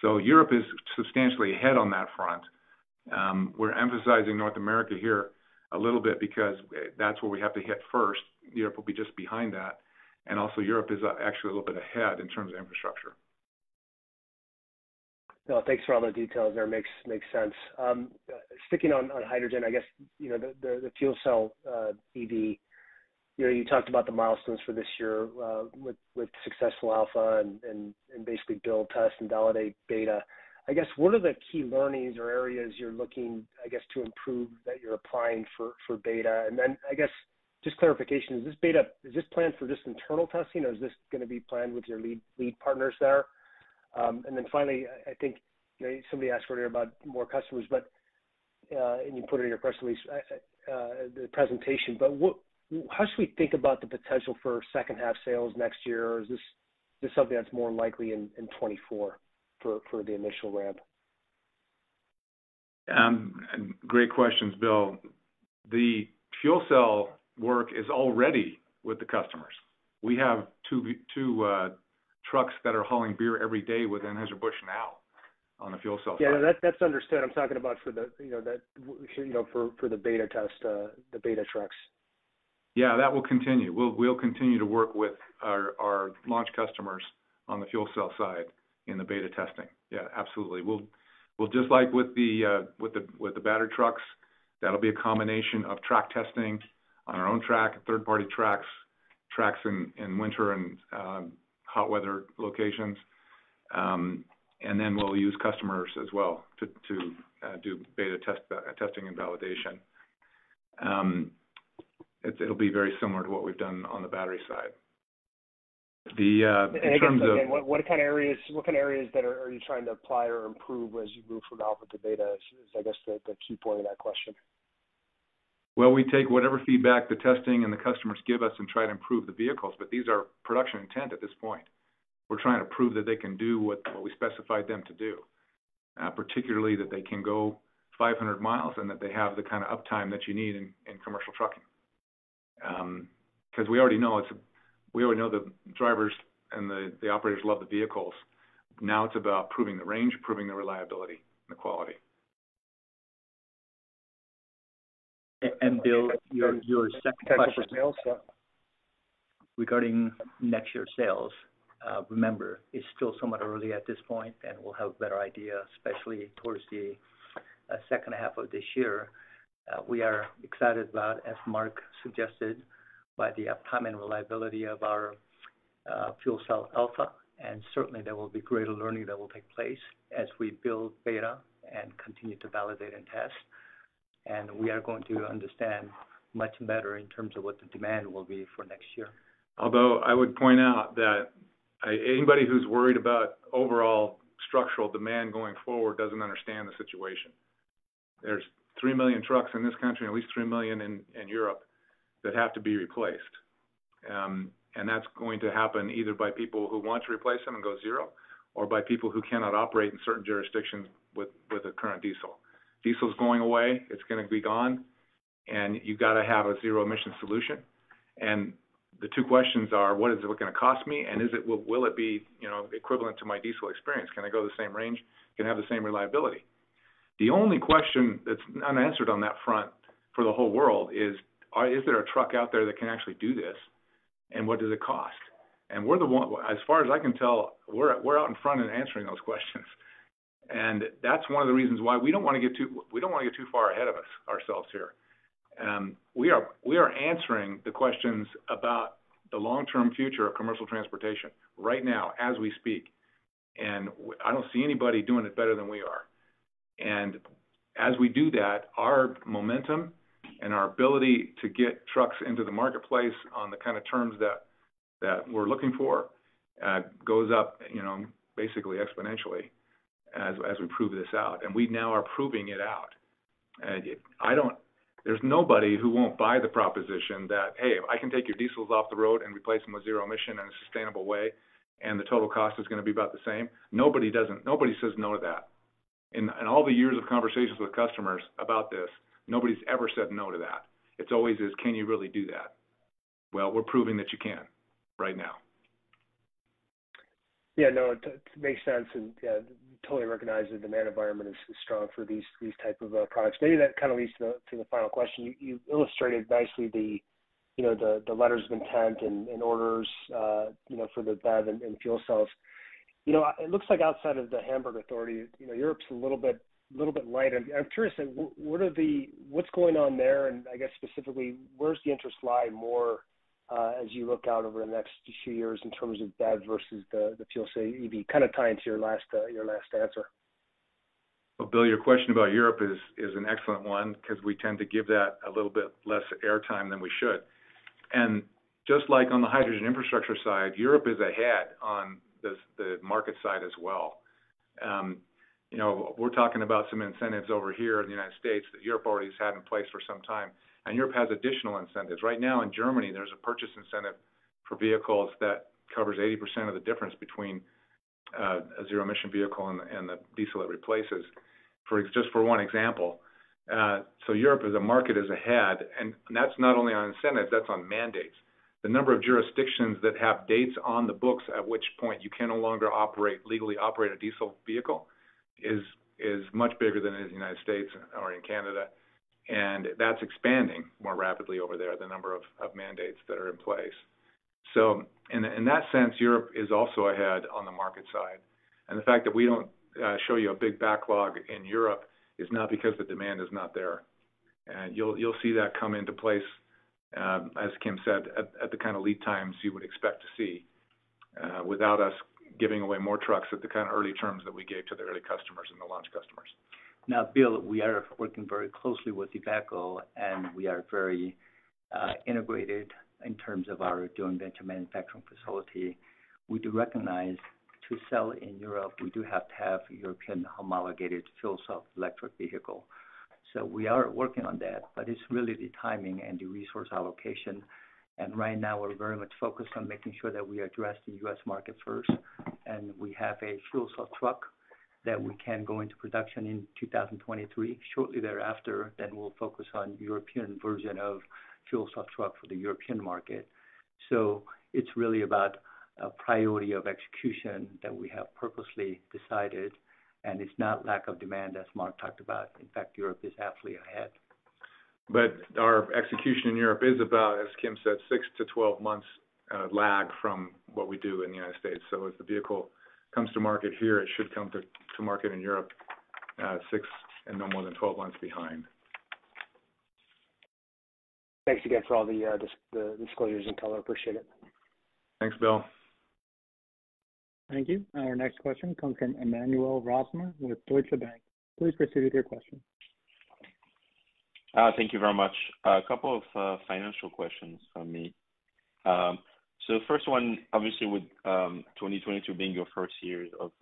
Europe is substantially ahead on that front. We're emphasizing North America here a little bit because that's where we have to hit first. Europe will be just behind that. Europe is actually a little bit ahead in terms of infrastructure. No, thanks for all the details there. Makes sense. Sticking on hydrogen, I guess, you know, the fuel cell EV, you know, you talked about the milestones for this year, with successful alpha and basically build, test, and validate beta. I guess, what are the key learnings or areas you're looking, I guess, to improve that you're applying for beta? Then, I guess, just clarification, is this beta planned for just internal testing, or is this gonna be planned with your lead partners there? Then finally, I think somebody asked earlier about more customers, but and you put it in your press release, the presentation. How should we think about the potential for second half sales next year? Is this something that's more likely in 2024 for the initial ramp? Great questions, Bill. The fuel cell work is already with the customers. We have 2 trucks that are hauling beer every day with Anheuser-Busch now on the fuel cell. Yeah, that's understood. I'm talking about, you know, for the beta test, the beta trucks. Yeah, that will continue. We'll continue to work with our launch customers on the fuel cell side in the beta testing. Yeah, absolutely. We'll just like with the battery trucks, that'll be a combination of track testing on our own track, third-party tracks in winter and hot weather locations. We'll use customers as well to do beta testing and validation. It'll be very similar to what we've done on the battery side. The in terms of- Again, what kind of areas that you are trying to apply or improve as you move from alpha to beta is, I guess, the key point of that question. Well, we take whatever feedback the testing and the customers give us and try to improve the vehicles, but these are production intent at this point. We're trying to prove that they can do what we specified them to do, particularly that they can go 500 miles and that they have the kind of uptime that you need in commercial trucking. 'Cause we already know the drivers and the operators love the vehicles. Now it's about proving the range, proving the reliability and the quality. Bill, your second question. Potential for sales, yeah. Regarding next year sales. Remember, it's still somewhat early at this point, and we'll have a better idea, especially towards the second half of this year. We are excited about, as Mark suggested, by the uptime and reliability of our fuel cell Alpha. Certainly, there will be greater learning that will take place as we build Beta and continue to validate and test. We are going to understand much better in terms of what the demand will be for next year. Although I would point out that anybody who's worried about overall structural demand going forward doesn't understand the situation. There's 3 million trucks in this country, and at least 3 million in Europe that have to be replaced. That's going to happen either by people who want to replace them and go zero, or by people who cannot operate in certain jurisdictions with the current diesel. Diesel is going away, it's gonna be gone, and you've got to have a zero emission solution. The two questions are, what is it gonna cost me, and will it be, you know, equivalent to my diesel experience? Can I go the same range? Can I have the same reliability? The only question that's unanswered on that front for the whole world is there a truck out there that can actually do this, and what does it cost? As far as I can tell, we're out in front in answering those questions. That's one of the reasons why we don't wanna get too far ahead of ourselves here. We are answering the questions about the long-term future of commercial transportation right now as we speak, I don't see anybody doing it better than we are. As we do that, our momentum and our ability to get trucks into the marketplace on the kind of terms that we're looking for goes up, you know, basically exponentially as we prove this out, and we now are proving it out. There's nobody who won't buy the proposition that, "Hey, if I can take your diesels off the road and replace them with zero emission in a sustainable way, and the total cost is gonna be about the same," nobody says no to that. In all the years of conversations with customers about this, nobody's ever said no to that. It's always, "Can you really do that?" Well, we're proving that you can right now. It makes sense, and totally recognize the demand environment is strong for these type of products. Maybe that kind of leads to the final question. You illustrated nicely you know the letters of intent and orders you know for the BEV and fuel cells. You know, it looks like outside of the Hamburg Port Authority, you know, Europe's a little bit light. I'm curious, what's going on there, and I guess specifically, where's the interest lie more as you look out over the next few years in terms of BEV versus the fuel cell EV. Kind of tie into your last answer. Well, Bill, your question about Europe is an excellent one because we tend to give that a little bit less air time than we should. Just like on the hydrogen infrastructure side, Europe is ahead on this, the market side as well. You know, we're talking about some incentives over here in the United States that Europe already has had in place for some time, and Europe has additional incentives. Right now in Germany, there's a purchase incentive for vehicles that covers 80% of the difference between a zero-emission vehicle and the diesel it replaces, just for one example. Europe as a market is ahead, and that's not only on incentives, that's on mandates. The number of jurisdictions that have dates on the books at which point you can no longer operate, legally operate a diesel vehicle is much bigger than in the United States or in Canada, and that's expanding more rapidly over there, the number of mandates that are in place. In that sense, Europe is also ahead on the market side. The fact that we don't show you a big backlog in Europe is not because the demand is not there. You'll see that come into place, as Kim said, at the kind of lead times you would expect to see, without us giving away more trucks at the kind of early terms that we gave to the early customers and the launch customers. Now, Bill, we are working very closely with IVECO and we are very integrated in terms of our joint venture manufacturing facility. We do recognize to sell in Europe, we do have to have European homologated fuel cell electric vehicle. We are working on that, but it's really the timing and the resource allocation. Right now, we're very much focused on making sure that we address the U.S. market first, and we have a fuel cell truck that we can go into production in 2023. Shortly thereafter, then we'll focus on European version of fuel cell truck for the European market. It's really about a priority of execution that we have purposely decided, and it's not lack of demand as Mark talked about. In fact, Europe is actually ahead. Our execution in Europe is about, as Kim said, 6-12 months lag from what we do in the United States. As the vehicle comes to market here, it should come to market in Europe 6-12 months behind. Thanks again for all the disclosures and color. Appreciate it. Thanks, Bill. Thank you. Our next question comes from Emmanuel Rosner with Deutsche Bank. Please proceed with your question. Thank you very much. A couple of financial questions from me. First one, obviously with 2022 being your first year of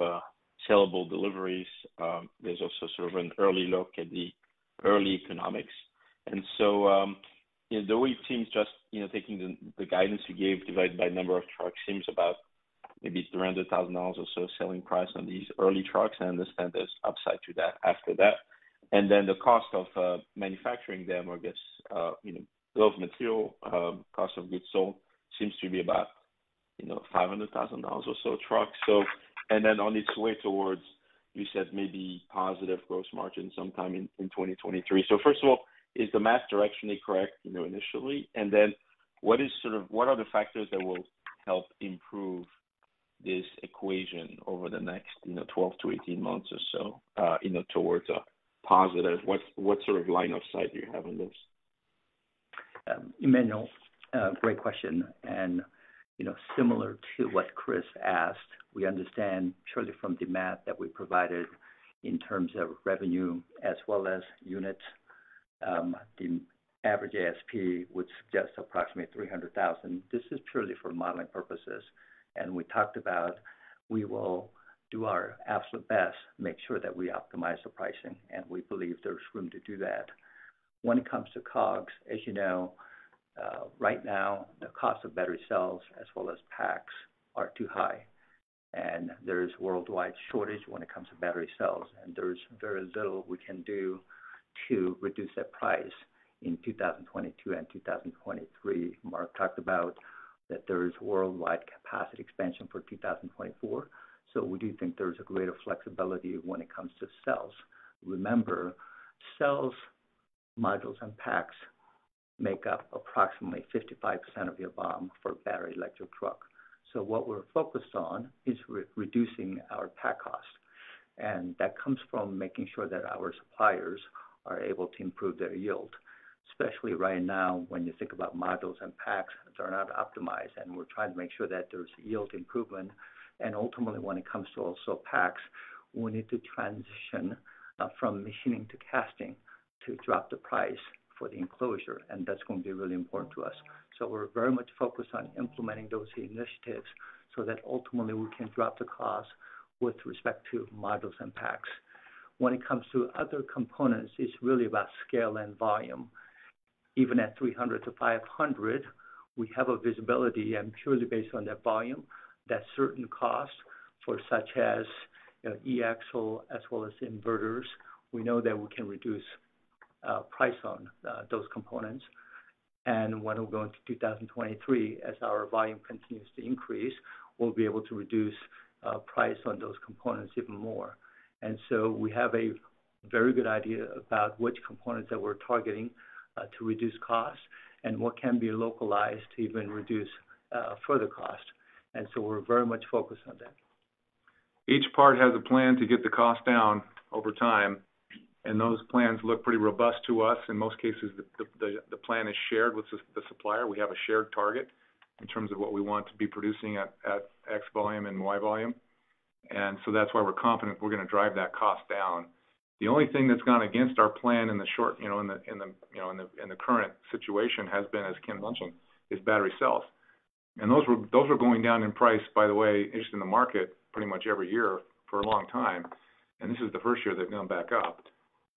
sellable deliveries, there's also sort of an early look at the early economics. You know, though it seems just, you know, taking the guidance you gave divided by number of trucks seems about maybe $300,000 or so selling price on these early trucks. I understand there's upside to that after that. Then the cost of manufacturing them or, I guess, you know, bill of materials, cost of goods sold seems to be about, you know, $500,000 or so a truck. On its way towards. You said maybe positive gross margin sometime in 2023. First of all, is the math directionally correct, you know, initially? What are the factors that will help improve this equation over the next, you know, 12-18 months or so, you know, towards a positive? What sort of line of sight do you have on this? Emmanuel, great question. You know, similar to what Chris asked, we understand surely from the math that we provided in terms of revenue as well as units, the average ASP, which suggests approximately $300,000. This is purely for modeling purposes. We talked about we will do our absolute best to make sure that we optimize the pricing, and we believe there's room to do that. When it comes to COGS, as you know, right now, the cost of battery cells as well as packs are too high. There is worldwide shortage when it comes to battery cells, and there's very little we can do to reduce that price in 2022 and 2023. Mark talked about that there is worldwide capacity expansion for 2024, so we do think there's a greater flexibility when it comes to cells. Remember, cells, modules, and packs make up approximately 55% of your BOM for battery electric truck. What we're focused on is re-reducing our pack cost. That comes from making sure that our suppliers are able to improve their yield, especially right now when you think about modules and packs, they're not optimized, and we're trying to make sure that there's yield improvement. Ultimately, when it comes to also packs, we need to transition from machining to casting to drop the price for the enclosure, and that's gonna be really important to us. We're very much focused on implementing those initiatives so that ultimately we can drop the cost with respect to modules and packs. When it comes to other components, it's really about scale and volume. Even at 300-500, we have a visibility, and purely based on that volume, that certain costs for such as, you know, e-axle as well as inverters, we know that we can reduce price on those components. When we go into 2023, as our volume continues to increase, we'll be able to reduce price on those components even more. We have a very good idea about which components that we're targeting to reduce costs and what can be localized to even reduce further cost. We're very much focused on that. Each part has a plan to get the cost down over time, and those plans look pretty robust to us. In most cases, the plan is shared with the supplier. We have a shared target in terms of what we want to be producing at X volume and Y volume. That's why we're confident we're gonna drive that cost down. The only thing that's gone against our plan in the short, you know, in the current situation has been, as Kim mentioned, is battery cells. Those were going down in price, by the way, just in the market pretty much every year for a long time. This is the first year they've gone back up.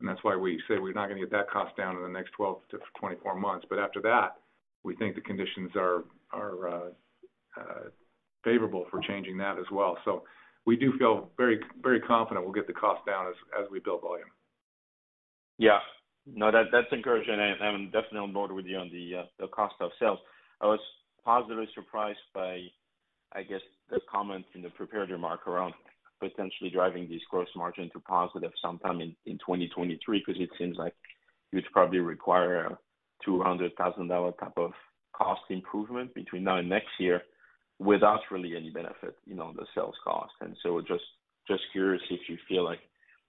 That's why we say we're not gonna get that cost down in the next 12-24 months. After that, we think the conditions are favorable for changing that as well. We do feel very, very confident we'll get the cost down as we build volume. Yeah. No, that's encouraging. I am definitely on board with you on the cost of cells. I was positively surprised by, I guess, the comment in the prepared remark around potentially driving this gross margin to positive sometime in 2023, because it seems like you'd probably require a $200,000 type of cost improvement between now and next year without really any benefit, you know, on the sales cost. Just curious if you feel like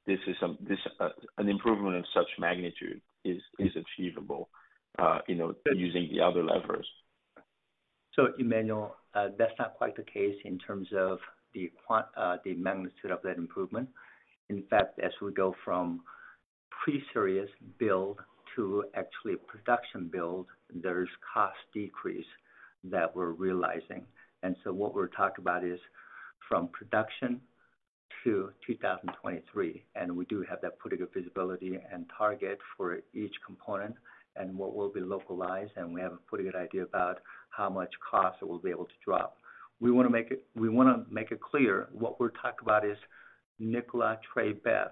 this is an improvement of such magnitude is achievable, you know, using the other levers. Emmanuel, that's not quite the case in terms of the magnitude of that improvement. In fact, as we go from pre-series build to actually a production build, there's cost decrease that we're realizing. What we're talking about is from production to 2023, and we do have that pretty good visibility and target for each component and what will be localized, and we have a pretty good idea about how much cost we'll be able to drop. We wanna make it clear what we're talking about is Nikola Tre BEV.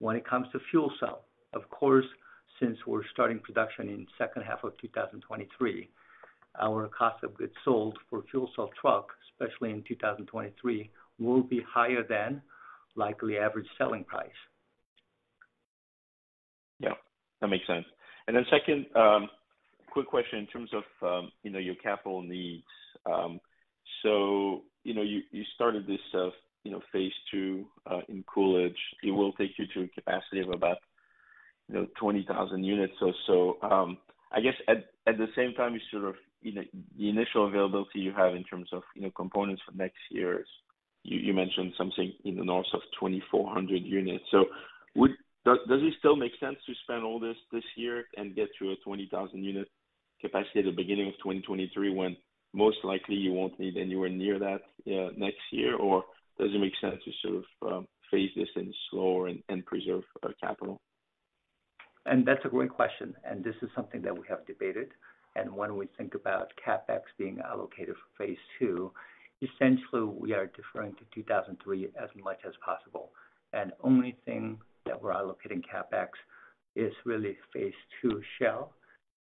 When it comes to fuel cell, of course, since we're starting production in second half of 2023, our cost of goods sold for fuel cell truck, especially in 2023, will be higher than likely average selling price. Yeah, that makes sense. Second, quick question in terms of, you know, your capital needs. You know, you started this, you know, phase two, in Coolidge. It will take you to a capacity of about, you know, 20,000 units or so. I guess at the same time, you sort of, you know, the initial availability you have in terms of, you know, components for next year is, you mentioned something in the north of 2,400 units. Does it still make sense to spend all this year and get to a 20,000 unit capacity at the beginning of 2023, when most likely you won't need anywhere near that, next year? Does it make sense to sort of, phase this in slower and preserve capital? That's a great question, and this is something that we have debated. When we think about CapEx being allocated for phase two, essentially we are deferring to 2023 as much as possible. Only thing that we're allocating CapEx is really phase two shell,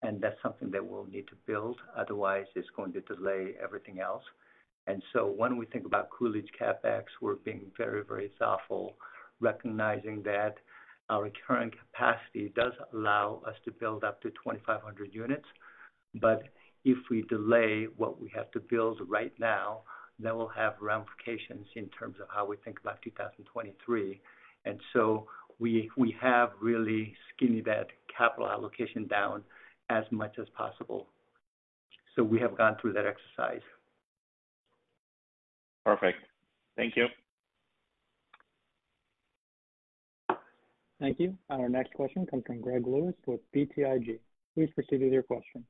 and that's something that we'll need to build, otherwise it's going to delay everything else. When we think about Coolidge CapEx, we're being very, very thoughtful, recognizing that our current capacity does allow us to build up to 2,500 units. If we delay what we have to build right now, that will have ramifications in terms of how we think about 2023. We have really skinned that capital allocation down as much as possible. We have gone through that exercise. Perfect. Thank you. Thank you. Our next question comes from Greg Lewis with BTIG. Please proceed with your question.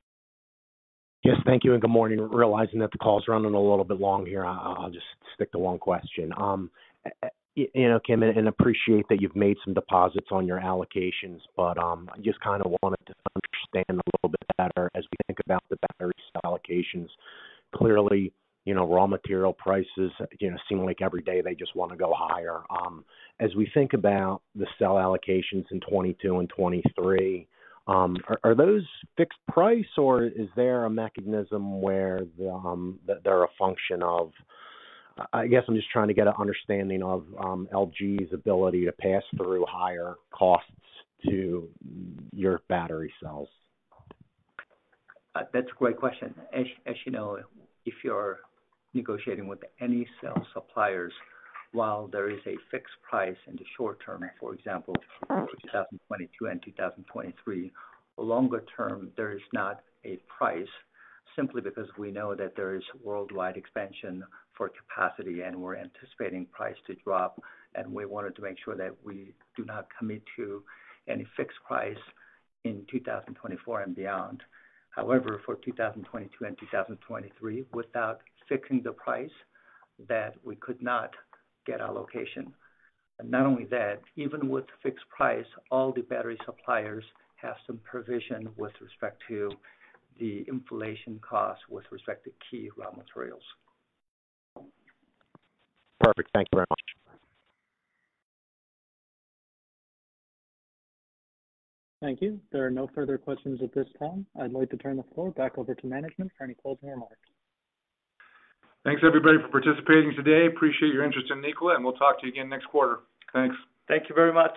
Yes, thank you, and good morning. Realizing that the call is running a little bit long here, I'll just stick to one question. You know, Kim, I appreciate that you've made some deposits on your allocations, but I just kind of wanted to understand a little bit better as we think about the battery cell allocations. Clearly, you know, raw material prices seem like every day they just want to go higher. As we think about the cell allocations in 2022 and 2023, are those fixed price or is there a mechanism where they're a function of. I guess I'm just trying to get an understanding of LG's ability to pass through higher costs to your battery cells. That's a great question. As you know, if you're negotiating with any cell suppliers while there is a fixed price in the short term, for example, 2022 and 2023, longer term, there is not a price simply because we know that there is worldwide expansion for capacity and we're anticipating price to drop. We wanted to make sure that we do not commit to any fixed price in 2024 and beyond. However, for 2022 and 2023, without fixing the price, that we could not get allocation. Not only that, even with fixed price, all the battery suppliers have some provision with respect to the inflation cost with respect to key raw materials. Perfect. Thank you very much. Thank you. There are no further questions at this time. I'd like to turn the floor back over to management for any closing remarks. Thanks everybody for participating today. Appreciate your interest in Nikola, and we'll talk to you again next quarter. Thanks. Thank you very much.